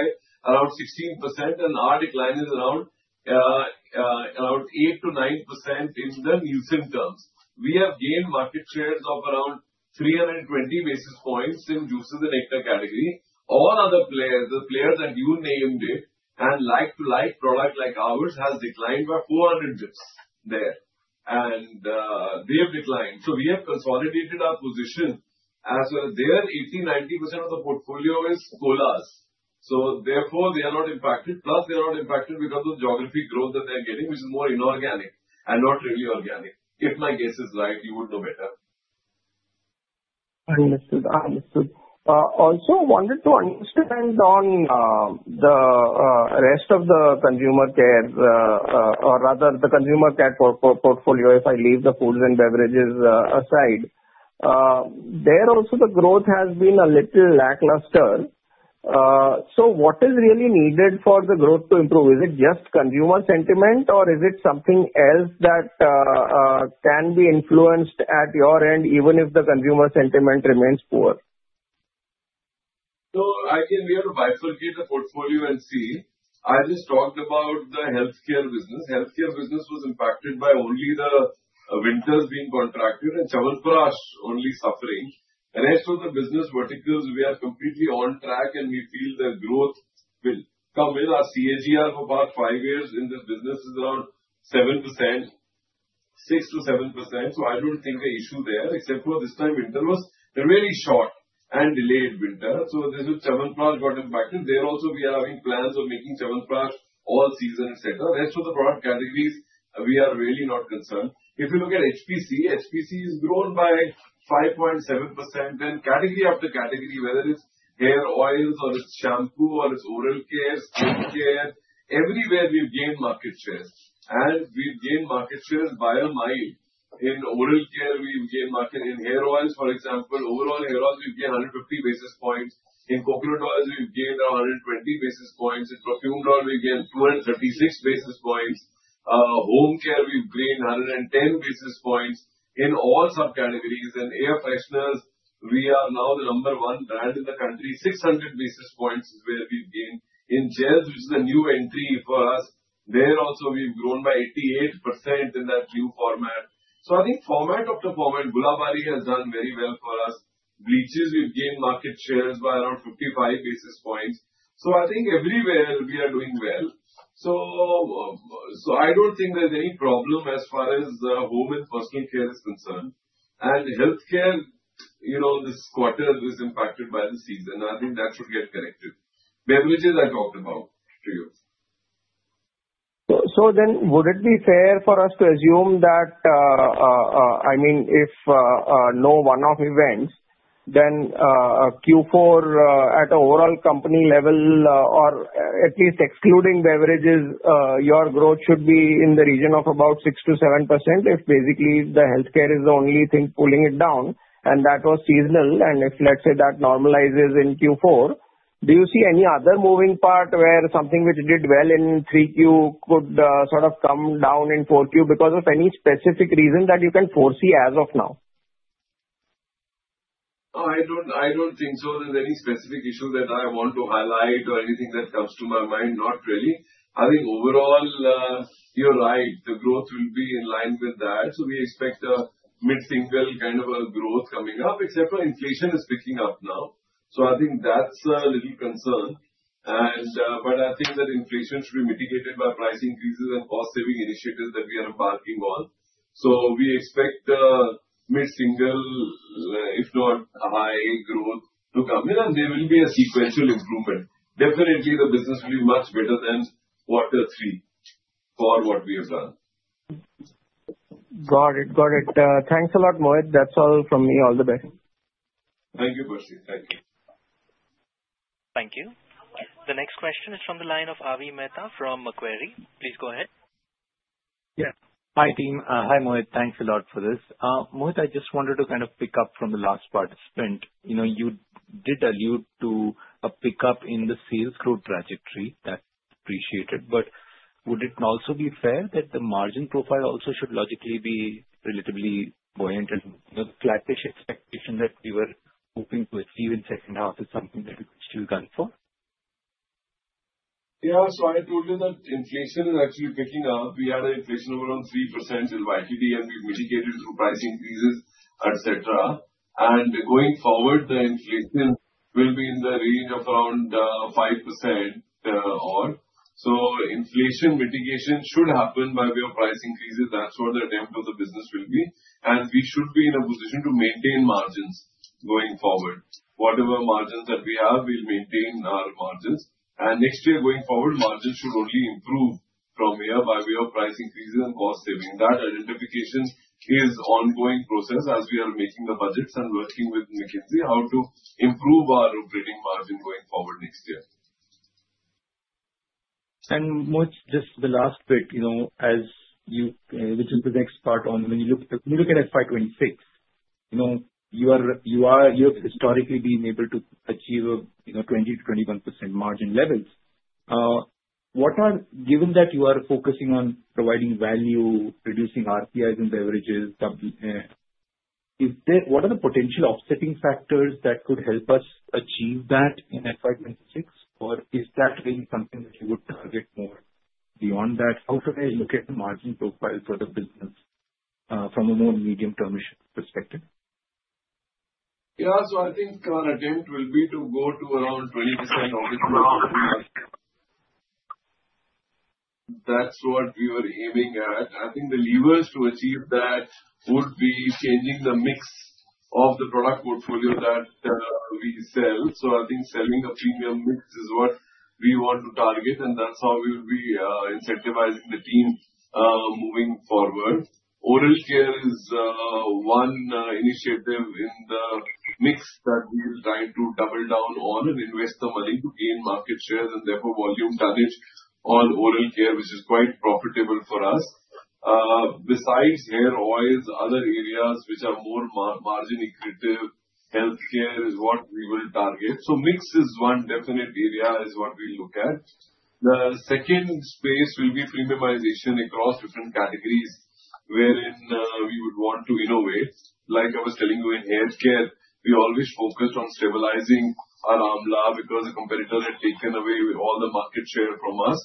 around 16%, and our decline is around 8%-9% in Nielsen terms. We have gained market shares of around 320 basis points in juices and nectar category. All other players, the players that you named, their like-for-like product like ours has declined by 400 basis points there. And they have declined. So we have consolidated our position. As far as their, 80%, 90% of the portfolio is colas. So therefore, they are not impacted. Plus, they are not impacted because of the geographic growth that they're getting, which is more inorganic and not really organic. If my guess is right, you would know better. Understood. Understood. Also, I wanted to understand on the rest of the consumer care, or rather the consumer care portfolio, if I leave the foods and beverages aside. There also, the growth has been a little lackluster. So what is really needed for the growth to improve? Is it just consumer sentiment, or is it something else that can be influenced at your end, even if the consumer sentiment remains poor? So again, we have to bifurcate the portfolio and see. I just talked about the healthcare business. Healthcare business was impacted by only the winters being contracted and Chyawanprash only suffering. The rest of the business verticals, we are completely on track, and we feel the growth will come in. Our CAGR for about five years in this business is around 6%-7%. So I don't think the issue there, except for this time winter was a really short and delayed winter. So this is Chyawanprash got impacted. There also, we are having plans of making Chyawanprash all season, etc. Rest of the product categories, we are really not concerned. If you look at HPC, HPC has grown by 5.7%. Then category after category, whether it's hair oils or it's shampoo or it's oral care, skincare, everywhere we've gained market shares. And we've gained market shares by a mile. In oral care, we've gained market in hair oils, for example. Overall hair oils, we've gained 150 basis points. In coconut oils, we've gained around 120 basis points. In perfume oil, we've gained 236 basis points. Home care, we've gained 110 basis points in all subcategories. And air fresheners, we are now the number one brand in the country. 600 basis points is where we've gained. In gels, which is a new entry for us, there also, we've grown by 88% in that new format. So I think format after format, Gulabari has done very well for us. Bleaches, we've gained market shares by around 55 basis points. So I think everywhere we are doing well. So I don't think there's any problem as far as home and personal care is concerned. And healthcare, this quarter is impacted by the season. I think that should get corrected. Beverages, I talked about to you. So then would it be fair for us to assume that, I mean, if no one-off events, then Q4 at overall company level, or at least excluding beverages, your growth should be in the region of about 6%-7% if basically the healthcare is the only thing pulling it down, and that was seasonal. And if, let's say, that normalizes in Q4, do you see any other moving part where something which did well in 3Q could sort of come down in 4Q because of any specific reason that you can foresee as of now? I don't think so. There's any specific issue that I want to highlight or anything that comes to my mind, not really. I think overall, you're right. The growth will be in line with that. So we expect a mid-single kind of a growth coming up, except inflation is picking up now. So I think that's a little concern. But I think that inflation should be mitigated by price increases and cost-saving initiatives that we are embarking on. So we expect mid-single, if not high growth to come in, and there will be a sequential improvement. Definitely, the business will be much better than quarter three for what we have done. Got it. Got it. Thanks a lot, Mohit. That's all from me. All the best. Thank you, Percy. Thank you. Thank you. The next question is from the line of Avi Mehta from Macquarie. Please go ahead. Yeah. Hi, team. Hi, Mohit. Thanks a lot for this. Mohit, I just wanted to kind of pick up from the last participant. You did allude to a pickup in the sales growth trajectory. That's appreciated. But would it also be fair that the margin profile also should logically be relatively buoyant? The flattish expectation that we were hoping to achieve in second half is something that we could still gun for? Yeah, so I told you that inflation is actually picking up. We had an inflation of around 3% in YTD, and we've mitigated through price increases, etc., and going forward, the inflation will be in the range of around 5% or so. Inflation mitigation should happen by way of price increases. That's what the attempt of the business will be. We should be in a position to maintain margins going forward. Whatever margins that we have, we'll maintain our margins. Next year, going forward, margins should only improve from here by way of price increases and cost savings. That identification is an ongoing process as we are making the budgets and working with McKinsey how to improve our operating margin going forward next year. Mohit, just the last bit, which is the next part on when you look at FY26, you have historically been able to achieve 20%-21% margin levels. Given that you are focusing on providing value, reducing RPIs in beverages, what are the potential offsetting factors that could help us achieve that in FY26? Or is that really something that you would target more beyond that? How should I look at the margin profile for the business from a more medium-term perspective? Yeah. So I think our attempt will be to go to around 20%, obviously. That's what we were aiming at. I think the levers to achieve that would be changing the mix of the product portfolio that we sell. So I think selling a premium mix is what we want to target, and that's how we will be incentivizing the team moving forward. Oral care is one initiative in the mix that we are trying to double down on and invest the money to gain market share and therefore volume tonnage on oral care, which is quite profitable for us. Besides hair oils, other areas which are more margin accretive, healthcare is what we will target. So mix is one definite area is what we look at. The second space will be premiumization across different categories wherein we would want to innovate. Like I was telling you in hair care, we always focused on stabilizing our Amla because the competitors had taken away all the market share from us.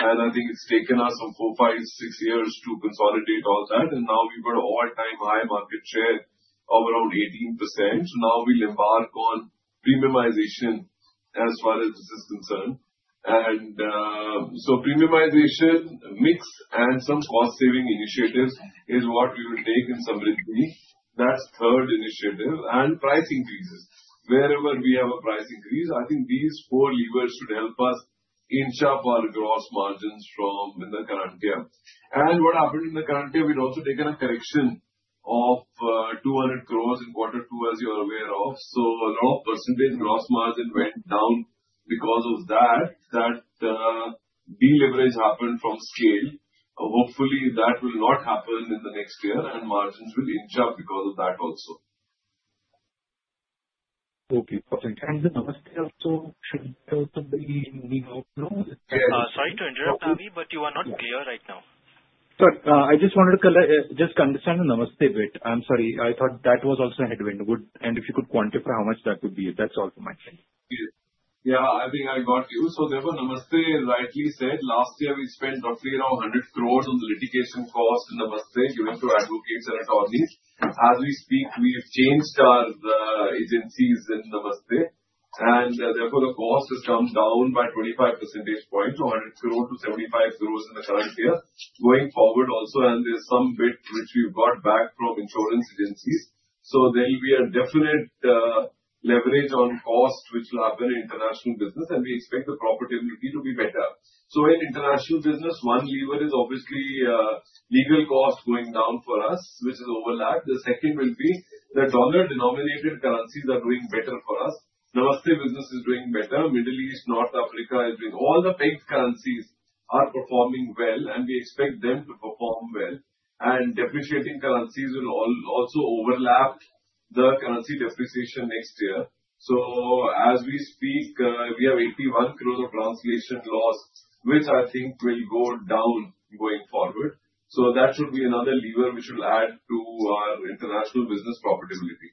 And I think it's taken us some four, five, six years to consolidate all that, and now we've got all-time high market share of around 18%. So now we'll embark on premiumization as far as this is concerned, and so premiumization mix and some cost-saving initiatives is what we will take in some risk. That's third initiative, and price increases. Wherever we have a price increase, I think these four levers should help us inch up our gross margins from in the current year. And what happened in the current year, we've also taken a correction of 200 crores in quarter two, as you are aware of. So a lot of percentage gross margin went down because of that. That deleverage happened from scale. Hopefully, that will not happen in the next year, and margins will inch up because of that also. Okay. Perfect. And the Namaste also should be moving out now. Yes. Sorry to interrupt, Avi, but you are not clear right now. Sorry. I just wanted to just understand the Namaste bit. I'm sorry. I thought that was also a headwind. And if you could quantify how much that would be, that's all from my side. Yeah. I think I got you. So therefore, Namaste rightly said. Last year, we spent roughly around 100 crores on the litigation cost in Namaste given to advocates and attorneys. As we speak, we've changed our agencies in Namaste. And therefore, the cost has come down by 25 percentage points from 100 crores to 75 crores in the current year. Going forward also, and there's some bit which we've got back from insurance agencies. So there will be a definite leverage on cost which will happen in international business, and we expect the profitability to be better. So in international business, one lever is obviously legal cost going down for us, which is overlapped. The second will be the dollar-denominated currencies are doing better for us. Namaste business is doing better. Middle East, North Africa is doing well. All the big currencies are performing well, and we expect them to perform well. Depreciating currencies will also offset the currency depreciation next year. As we speak, we have 81 crores of translation loss, which I think will go down going forward. That should be another lever which will add to our international business profitability.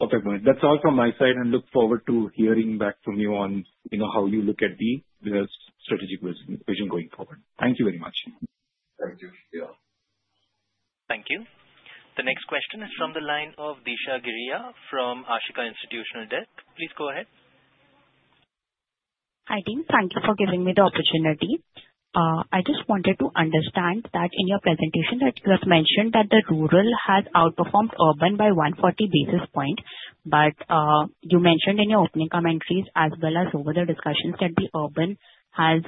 Perfect, Mohit. That's all from my side, and look forward to hearing back from you on how you look at the strategic vision going forward. Thank you very much. Thank you. Yeah. Thank you. The next question is from the line of Disha Giria from Ashika Institutional Equities. Please go ahead. Hi, team. Thank you for giving me the opportunity. I just wanted to understand that in your presentation, that you have mentioned that the rural has outperformed urban by 140 basis points. But you mentioned in your opening commentaries as well as over the discussions that the urban has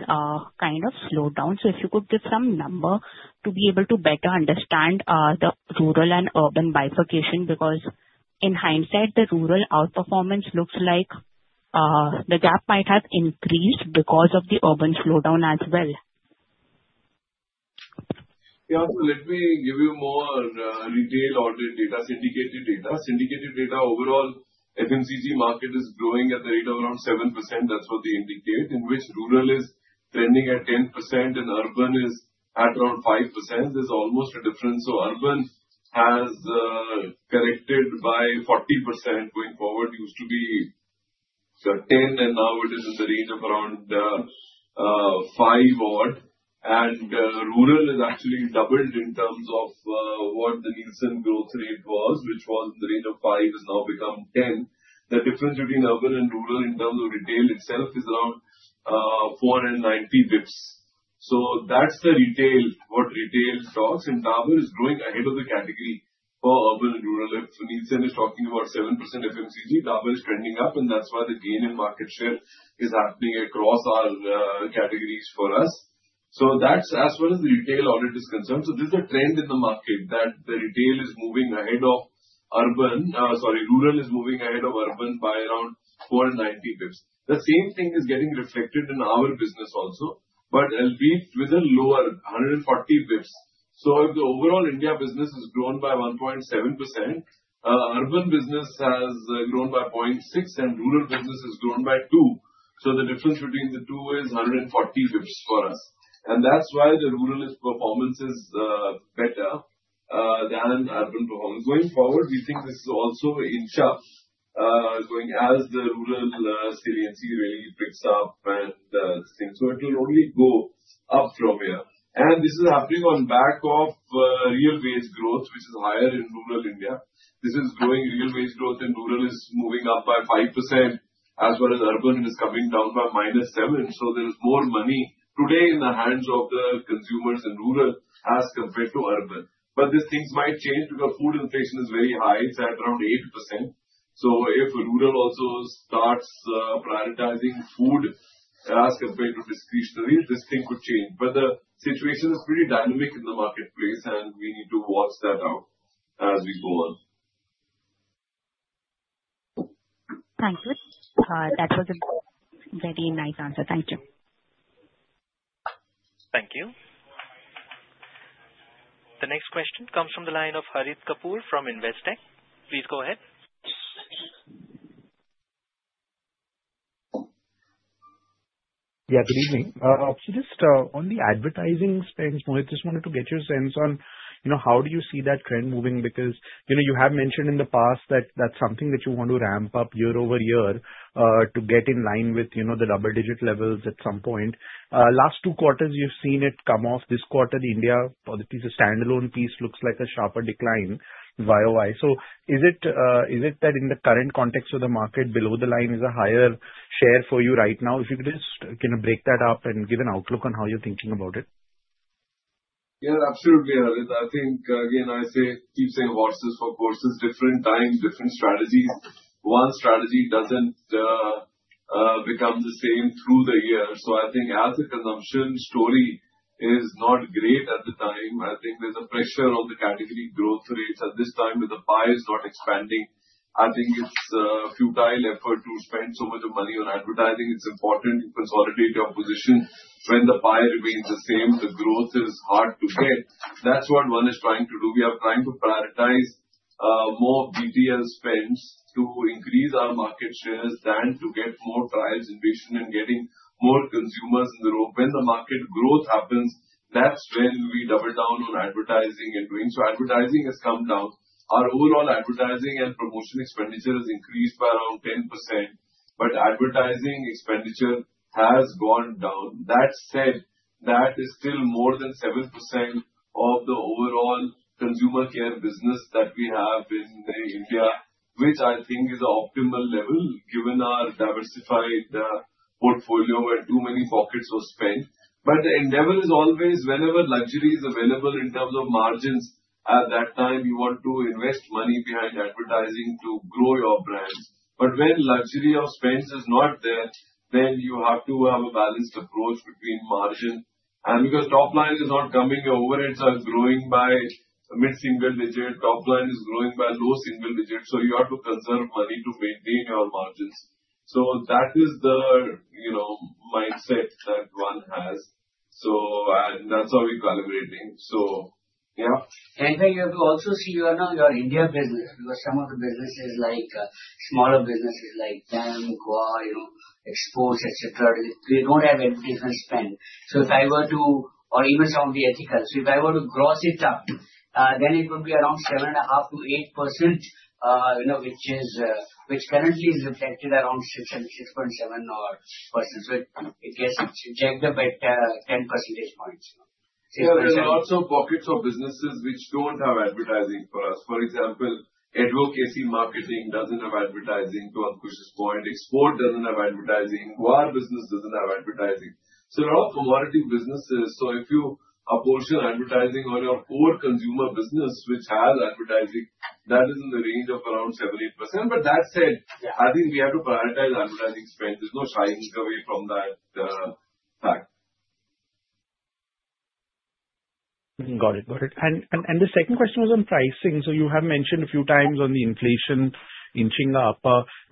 kind of slowed down. So if you could give some number to be able to better understand the rural and urban bifurcation because in hindsight, the rural outperformance looks like the gap might have increased because of the urban slowdown as well. Yeah. So let me give you more detail on the syndicated data. Syndicated data overall, FMCG market is growing at a rate of around 7%. That's what they indicate, in which rural is trending at 10% and urban is at around 5%. There's almost a difference. So urban has corrected by 40% going forward. It used to be 10, and now it is in the range of around 5 odd. And rural is actually doubled in terms of what the Nielsen growth rate was, which was in the range of 5, has now become 10. The difference between urban and rural in terms of retail itself is around 490 basis points. So that's the retail, what retail stocks and Dabur is growing ahead of the category for urban and rural. If Nielsen is talking about 7% FMCG, Dabur is trending up, and that's why the gain in market share is happening across our categories for us. That's as far as the retail audit is concerned. There's a trend in the market that the retail is moving ahead of urban sorry, rural is moving ahead of urban by around 490 basis points. The same thing is getting reflected in our business also, but a bit with a lower 140 basis points. If the overall India business has grown by 1.7%, urban business has grown by 0.6%, and rural business has grown by 2%. The difference between the two is 140 basis points for us. That's why the rural performance is better than urban performance. Going forward, we think this is also inch up going as the rural saliency really picks up and things. So it will only go up from here. And this is happening on back of real wage growth, which is higher in rural India. This is growing real wage growth in rural is moving up by 5% as well as urban is coming down by -7. So there is more money today in the hands of the consumers in rural as compared to urban. But these things might change because food inflation is very high. It's at around 8%. So if rural also starts prioritizing food as compared to discretionary, this thing could change. But the situation is pretty dynamic in the marketplace, and we need to watch that out as we go on. Thank you. That was a very nice answer. Thank you. Thank you. The next question comes from the line of Harit Kapoor from Investec. Please go ahead. Yeah. Good evening. So just on the advertising spends, Mohit, just wanted to get your sense on how do you see that trend moving because you have mentioned in the past that that's something that you want to ramp up year-over-year to get in line with the double-digit levels at some point. Last two quarters, you've seen it come off. This quarter, the India standalone piece looks like a sharper decline year-over-year. So is it that in the current context of the market, below the line is a higher share for you right now? If you could just break that up and give an outlook on how you're thinking about it. Yeah. Absolutely, Harit. I think, again, I say keep saying horses for courses. Different times, different strategies. One strategy doesn't become the same through the year. So I think as the consumption story is not great at the time, I think there's a pressure on the category growth rates at this time with the buyers not expanding. I think it's a futile effort to spend so much money on advertising. It's important to consolidate your position. When the buyer remains the same, the growth is hard to get. That's what one is trying to do. We are trying to prioritize more BTL spends to increase our market shares than to get more trials, innovation, and getting more consumers in the room. When the market growth happens, that's when we double down on advertising and doing. So advertising has come down. Our overall advertising and promotion expenditure has increased by around 10%, but advertising expenditure has gone down. That said, that is still more than 7% of the overall consumer care business that we have in India, which I think is an optimal level given our diversified portfolio and too many pockets of spend. But the endeavor is always whenever luxury is available in terms of margins. At that time, you want to invest money behind advertising to grow your brand. But when luxury of spends is not there, then you have to have a balanced approach between margin. And because top line is not coming over, it's growing by mid-single digit. Top line is growing by low single digit. So you have to conserve money to maintain your margins. So that is the mindset that one has. And that's how we're calibrating. So yeah. And then you have to also see your India business because some of the businesses like smaller businesses like Dam, Guar, Expose, etc., they don't have any different spend. So if I were to, or even some of the ethicals, so if I were to gross it up, then it would be around 7.5%-8%, which currently is reflected around 6.7 or percent. So it gets subjected by 10 percentage points. There are lots of pockets of businesses which don't have advertising for us. For example, HPC Marketing doesn't have advertising to Ankush's point. Exports doesn't have advertising. Guar business doesn't have advertising. So there are commodity businesses. So if you apportion advertising on your core consumer business, which has advertising, that is in the range of around 7-8%. But that said, I think we have to prioritize advertising spend. There's no shying away from that fact. Got it. Got it. And the second question was on pricing. So you have mentioned a few times on the inflation inching up.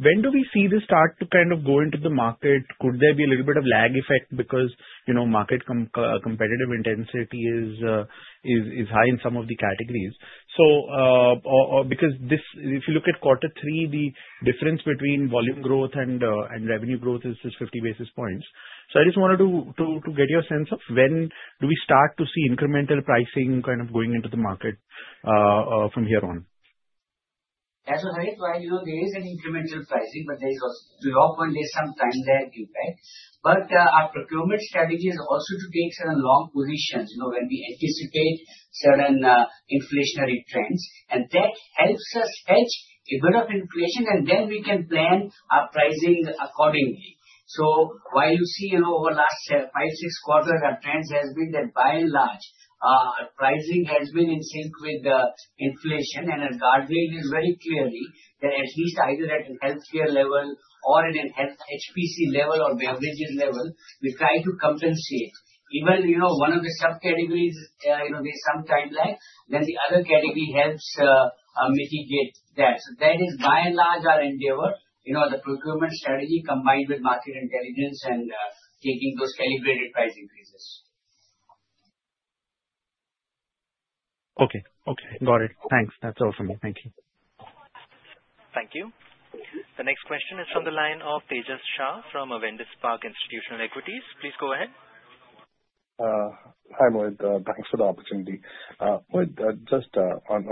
When do we see this start to kind of go into the market? Could there be a little bit of lag effect because market competitive intensity is high in some of the categories? So because if you look at quarter three, the difference between volume growth and revenue growth is 50 basis points. So I just wanted to get your sense of when do we start to see incremental pricing kind of going into the market from here on? As Harit, while there is an incremental pricing, but there is also, to your point, there's some time lag, right? But our procurement strategy is also to take certain long positions when we anticipate certain inflationary trends. And that helps us catch a bit of inflation, and then we can plan our pricing accordingly. So while you see over the last five, six quarters, our trends has been that by and large, our pricing has been in sync with the inflation. And our guardrail is very clearly that at least either at a healthcare level or in a health HPC level or beverages level, we try to compensate. Even one of the subcategories, there's some time lag, then the other category helps mitigate that. So that is by and large our endeavor, the procurement strategy combined with market intelligence and taking those calibrated price increases. Okay. Okay. Got it. Thanks. That's all from me. Thank you. Thank you. The next question is from the line of Tejas Shah from Avendus Spark Institutional Equities. Please go ahead. Hi, Mohit. Thanks for the opportunity. Mohit, just on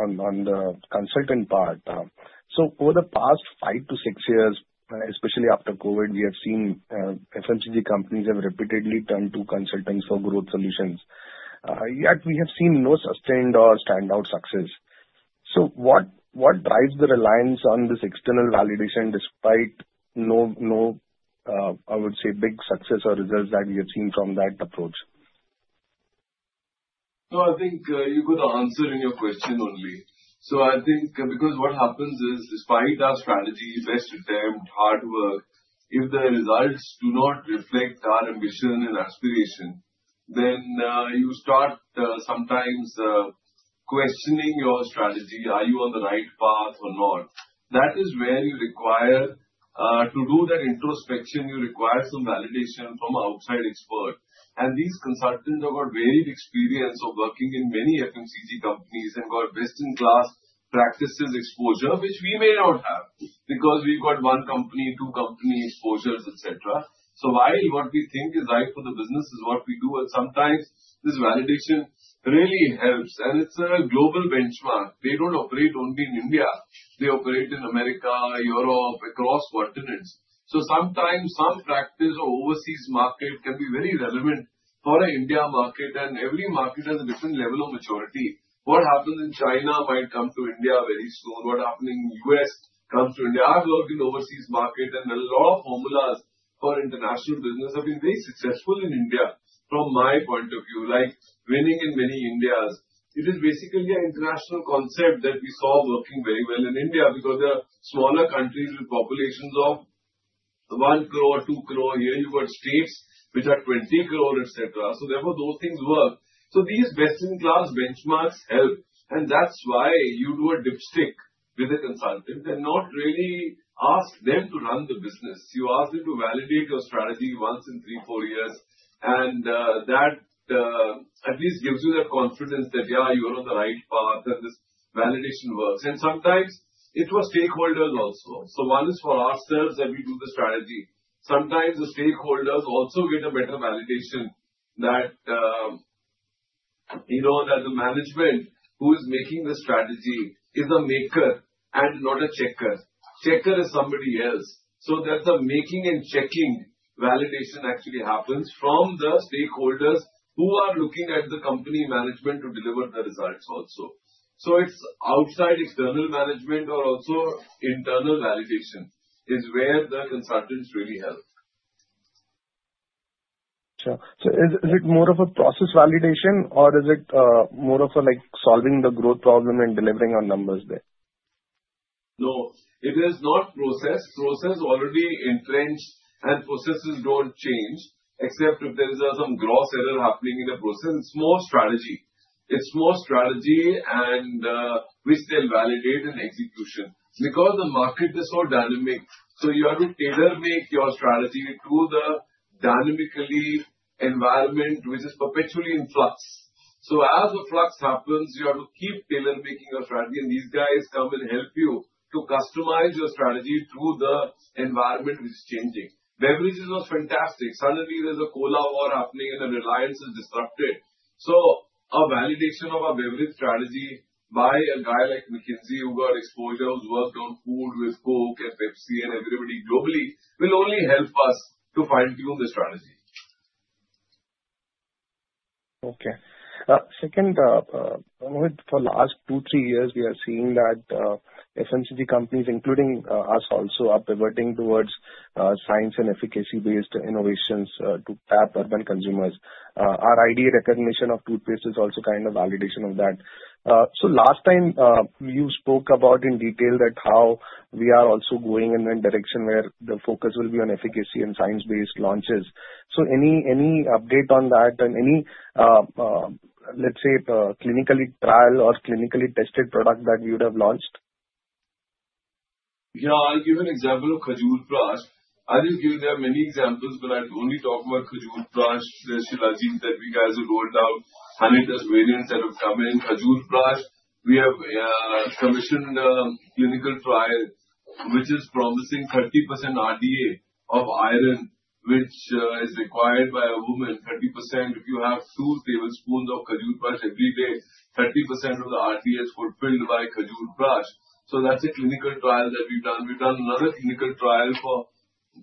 the consultant part. So over the past five to six years, especially after COVID, we have seen FMCG companies have repeatedly turned to consultants for growth solutions. Yet we have seen no sustained or standout success. So what drives the reliance on this external validation despite no, I would say, big success or results that we have seen from that approach? No, I think you got answered in your question only, so I think because what happens is despite our strategy, best attempt, hard work, if the results do not reflect our ambition and aspiration, then you start sometimes questioning your strategy. Are you on the right path or not? That is where you require to do that introspection. You require some validation from outside experts, and these consultants have got varied experience of working in many FMCG companies and got best-in-class practices exposure, which we may not have because we've got one company, two company exposures, etc. So while what we think is right for the business is what we do, and sometimes this validation really helps, and it's a global benchmark. They don't operate only in India. They operate in America, Europe, across continents, so sometimes some practice or overseas market can be very relevant for an India market. Every market has a different level of maturity. What happens in China might come to India very soon. What's happening in the US comes to India. I've worked in overseas market, and a lot of formulas for international business have been very successful in India, from my point of view, like winning in many Indias. It is basically an international concept that we saw working very well in India because there are smaller countries with populations of 1 crore or 2 crore. Here you've got states which are 20 crore, etc. Therefore those things work. These best-in-class benchmarks help. That's why you do a dipstick with a consultant and not really ask them to run the business. You ask them to validate your strategy once in three, four years. And that at least gives you that confidence that, yeah, you're on the right path and this validation works. And sometimes it was stakeholders also. So one is for ourselves that we do the strategy. Sometimes the stakeholders also get a better validation that the management who is making the strategy is a maker and not a checker. Checker is somebody else. So that's a making and checking validation actually happens from the stakeholders who are looking at the company management to deliver the results also. So it's outside external management or also internal validation is where the consultants really help. Sure. So is it more of a process validation, or is it more of solving the growth problem and delivering on numbers there? No. It is not process. Process already entrenched, and processes don't change except if there is some gross error happening in the process. It's more strategy. It's more strategy, and we still validate in execution because the market is so dynamic. So you have to tailor-make your strategy to the dynamic environment, which is perpetually in flux. So as the flux happens, you have to keep tailor-making your strategy. And these guys come and help you to customize your strategy to the environment which is changing. Beverages was fantastic. Suddenly there's a cola war happening, and the Reliance is disrupted. So a validation of a beverage strategy by a guy like McKinsey who got exposure, who's worked on food with Coke and Pepsi and everybody globally will only help us to fine-tune the strategy. Okay. Second, Mohit, for the last two, three years, we are seeing that FMCG companies, including us also, are pivoting towards science and efficacy-based innovations to tap urban consumers. Our IDA recognition of toothpaste is also kind of validation of that. So last time, you spoke about in detail that how we are also going in a direction where the focus will be on efficacy and science-based launches. So any update on that and any, let's say, clinical trial or clinically tested product that you would have launched? Yeah. I'll give an example of Khajurprash. I will give you there are many examples, but I'll only talk about Khajurprash, Shilajit that we guys have rolled out, 100 variants that have come in. Khajurprash, we have commissioned a clinical trial which is promising 30% RDA of iron, which is required by a woman, 30%. If you have two tablespoons of Khajurprash every day, 30% of the RDA is fulfilled by Khajurprash. So that's a clinical trial that we've done. We've done another clinical trial for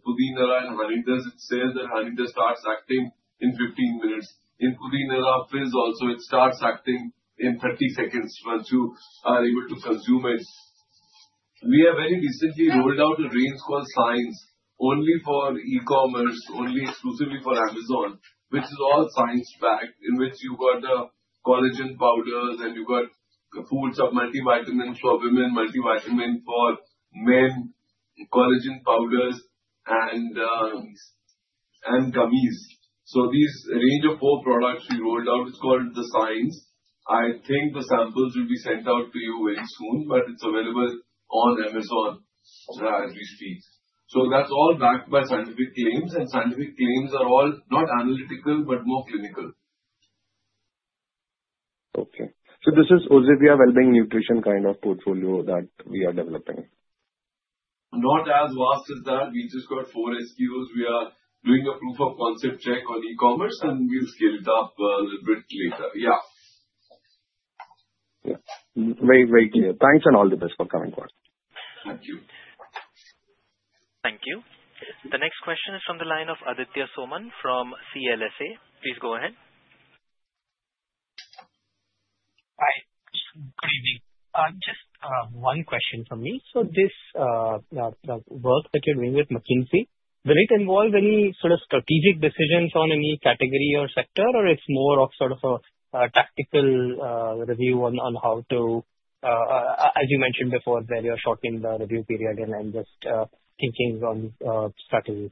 Pudin Hara. It says that Pudin Hara starts acting in 15 minutes. In Pudin Hara also, it starts acting in 30 seconds once you are able to consume it. We have very recently rolled out a range called Science only for e-commerce, only exclusively for Amazon, which is all science-backed in which you've got the collagen powders, and you've got foods of multivitamins for women, multivitamin for men, collagen powders, and gummies. So this range of four products we rolled out is called the Science. I think the samples will be sent out to you very soon, but it's available on Amazon as we speak. So that's all backed by scientific claims, and scientific claims are all not analytical, but more clinical. Okay. So this is Oziva Wellbeing Nutrition kind of portfolio that we are developing? Not as vast as that. We just got four SKUs. We are doing a proof of concept check on e-commerce, and we'll scale it up a little bit later. Yeah. Yeah. Very, very clear. Thanks and all the best for coming forward. Thank you. Thank you. The next question is from the line of Aditya Soman from CLSA. Please go ahead. Hi. Good evening. Just one question for me. So this work that you're doing with McKinsey, will it involve any sort of strategic decisions on any category or sector, or it's more of sort of a tactical review on how to, as you mentioned before, where you're shortening the review period and then just thinking on strategy?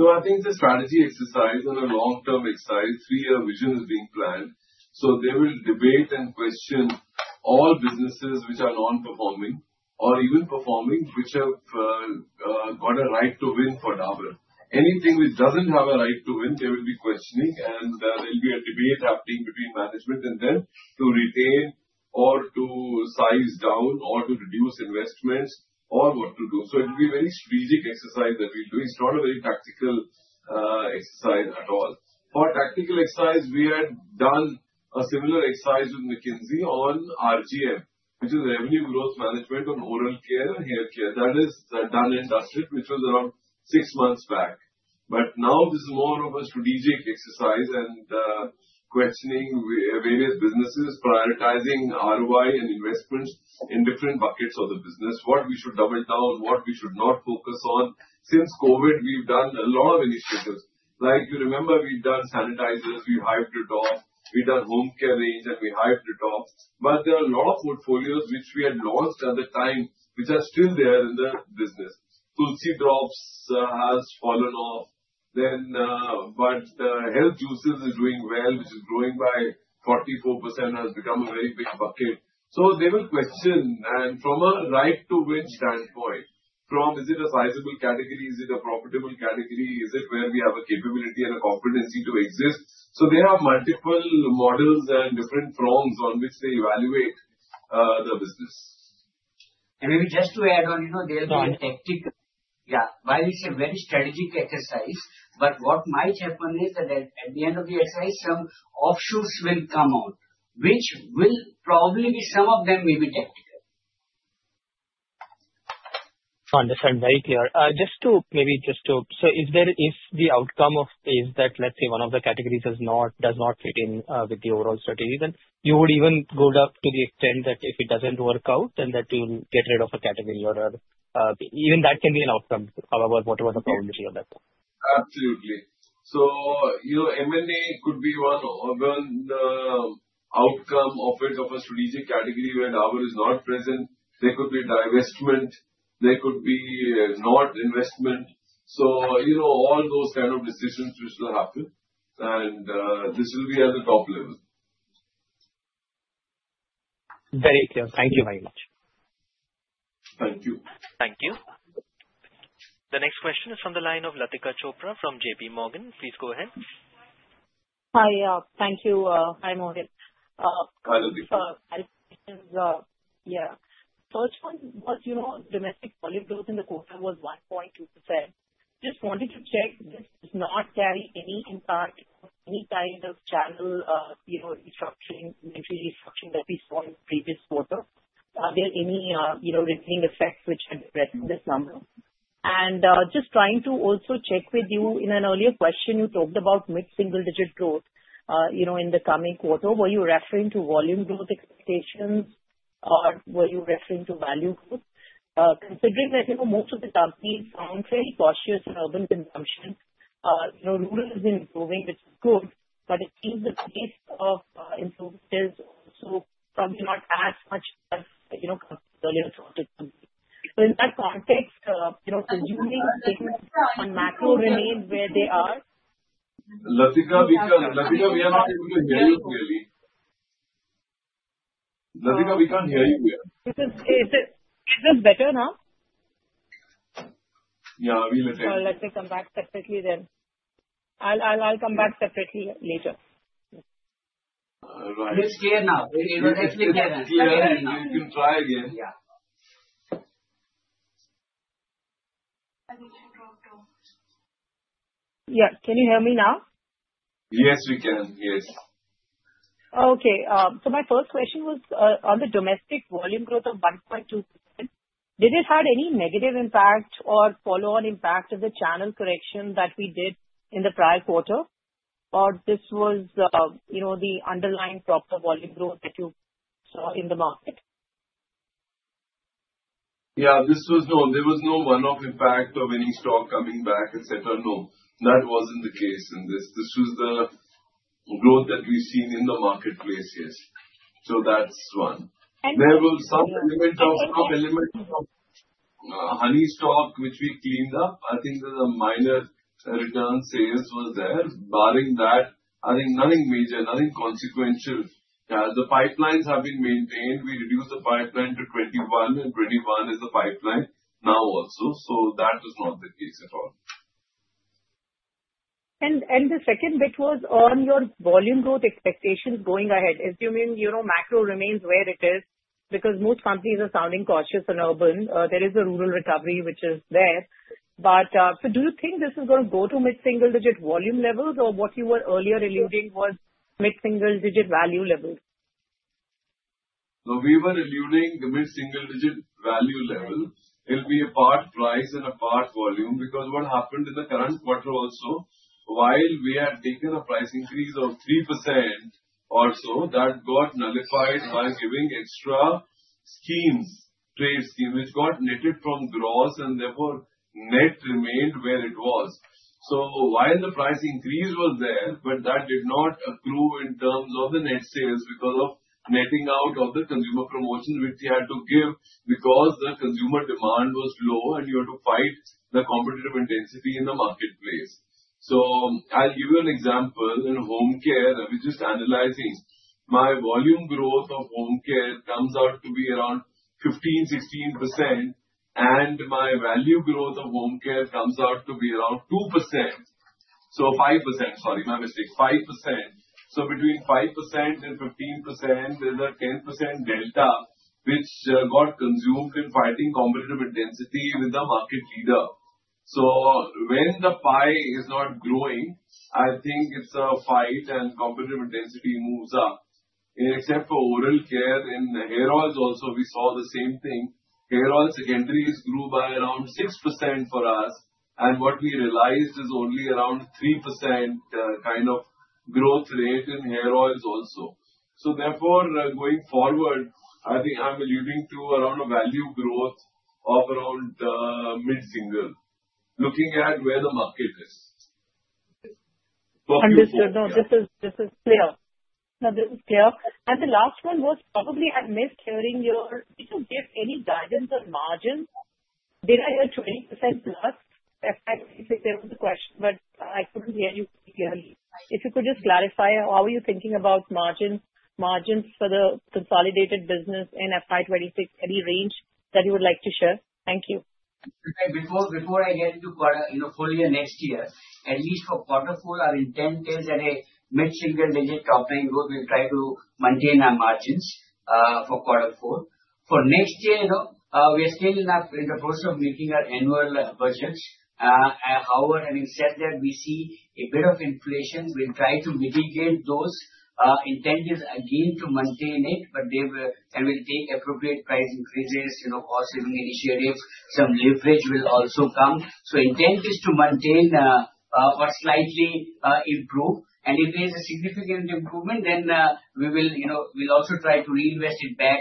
I think it's a strategy exercise and a long-term exercise. Three-year vision is being planned. They will debate and question all businesses which are non-performing or even performing, which have got a right to win for Dabur. Anything which doesn't have a right to win, they will be questioning, and there'll be a debate happening between management and them to retain or to size down or to reduce investments or what to do. It will be a very strategic exercise that we'll do. It's not a very tactical exercise at all. For tactical exercise, we had done a similar exercise with McKinsey on RGM, which is revenue growth management on oral care and hair care. That is done; the dust has settled, which was around six months back. But now this is more of a strategic exercise and questioning various businesses, prioritizing ROI and investments in different buckets of the business, what we should double down, what we should not focus on. Since COVID, we've done a lot of initiatives. Like you remember, we've done sanitizers, we hived it off, we've done home care range, and we hived it off. But there are a lot of portfolios which we had launched at the time, which are still there in the business. Tulsi Drops has fallen off. But Health Juices is doing well, which is growing by 44% and has become a very big bucket. So they will question. And from a right-to-win standpoint, from is it a sizable category, is it a profitable category, is it where we have a capability and a competency to exist? So they have multiple models and different prongs on which they evaluate the business. And maybe just to add on, there'll be a tactical. Yeah. While it's a very strategic exercise, but what might happen is that at the end of the exercise, some offshoots will come out, which will probably be some of them may be tactical. Understand. Very clear. Just to, maybe, so if the outcome is that, let's say, one of the categories does not fit in with the overall strategy, then you would even go up to the extent that if it doesn't work out, then that you'll get rid of a category or even that can be an outcome, whatever the problem is on that. Absolutely. M&A could be one outcome of it, of a strategic category where Dabur is not present. There could be divestment. There could be no investment. All those kind of decisions which will happen, and this will be at the top level. Very clear. Thank you very much. Thank you. The next question is from the line of Latika Chopra from J.P. Morgan. Please go ahead. Hi. Thank you. Hi, Mohit. Hi, Latika. Thanks for helping. Yeah. First one, domestic volume growth in the quarter was 1.2%. Just wanted to check this does not carry any impact of any kind of channel restructuring, inventory restructuring that we saw in the previous quarter. Are there any ripple effects which have been present in this number? And just trying to also check with you, in an earlier question, you talked about mid-single-digit growth in the coming quarter. Were you referring to volume growth expectations, or were you referring to value growth? Considering that most of the companies sound very cautious in urban consumption, rural is improving, which is good, but it seems the pace of improvement is also probably not as much as companies earlier thought it would be. So in that context, presuming things on macro remain where they are. Latika, we can't hear you clearly. Latika, we can't hear you clear. Is this better now? Yeah. We'll attempt. So let me come back separately then. I'll come back separately later. All right. It's clear now. <crosstalk> You can try again. Yeah. Yeah. Can you hear me now? Yes, we can. Yes. Okay. So my first question was on the domestic volume growth of 1.2%. Did it have any negative impact or follow-on impact of the channel correction that we did in the prior quarter, or this was the underlying proper volume growth that you saw in the market? Yeah. There was no one-off impact of any stock coming back, etc. No. That wasn't the case in this. This was the growth that we've seen in the marketplace, yes. So that's one. There were some elements of honey stock, which we cleaned up. I think there's a minor return sales was there. Barring that, I think nothing major, nothing consequential. The pipelines have been maintained. We reduced the pipeline to 21, and 21 is the pipeline now also. So that was not the case at all. The second bit was on your volume growth expectations going ahead. Assuming macro remains where it is because most companies are sounding cautious in urban, there is a rural recovery which is there. Do you think this is going to go to mid-single-digit volume levels, or what you were earlier alluding was mid-single-digit value levels? We were alluding to mid-single-digit value level. It'll be a part price and a part volume because what happened in the current quarter also, while we had taken a price increase of 3% or so, that got nullified by giving extra schemes, trade schemes, which got netted from gross, and therefore net remained where it was. So while the price increase was there, but that did not accrue in terms of the net sales because of netting out of the consumer promotions which you had to give because the consumer demand was low, and you had to fight the competitive intensity in the marketplace. So I'll give you an example in home care. We're just analyzing. My volume growth of home care comes out to be around 15%-16%, and my value growth of home care comes out to be around 2%. So 5%. Sorry, my mistake. 5%. So between 5% and 15%, there's a 10% delta which got consumed in fighting competitive intensity with the market leader. So when the pie is not growing, I think it's a fight, and competitive intensity moves up. Except for oral care in hair oils also, we saw the same thing. Hair oil secondaries grew by around 6% for us, and what we realized is only around 3% kind of growth rate in hair oils also. So therefore, going forward, I think I'm alluding to around a value growth of around mid-single, looking at where the market is. Understood. No, this is clear. The last one was probably I missed hearing. Did you give any guidance on margins? Did I hear 20%+? I think there was a question, but I could not hear you clearly. If you could just clarify, how are you thinking about margins for the consolidated business in FY26? Any range that you would like to share? Thank you. Before I get into quarter fully and next year, at least for quarter four, I'll intend to tell you that a mid-single-digit top-line growth. We'll try to maintain our margins for quarter four. For next year, we are still in the process of making our annual budgets. However, having said that, we see a bit of inflation. We'll try to mitigate those intentions again to maintain it, and we'll take appropriate price increases, cost-saving initiatives, some leverage will also come, so intent is to maintain or slightly improve, and if there's a significant improvement, then we'll also try to reinvest it back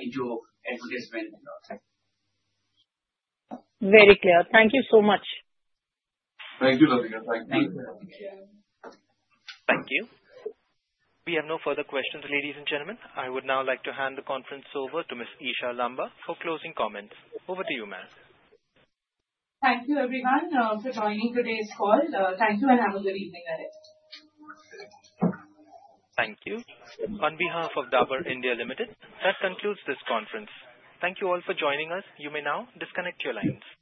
into advertisement. Very clear. Thank you so much. Thank you, Latika. Thank you. Thank you. Thank you. We have no further questions, ladies and gentlemen. I would now like to hand the conference over to Ms. Isha Lamba for closing comments. Over to you, ma'am. Thank you, everyone, for joining today's call. Thank you, and have a good evening, guys. Thank you. On behalf of Dabur India Limited, that concludes this conference. Thank you all for joining us. You may now disconnect your lines.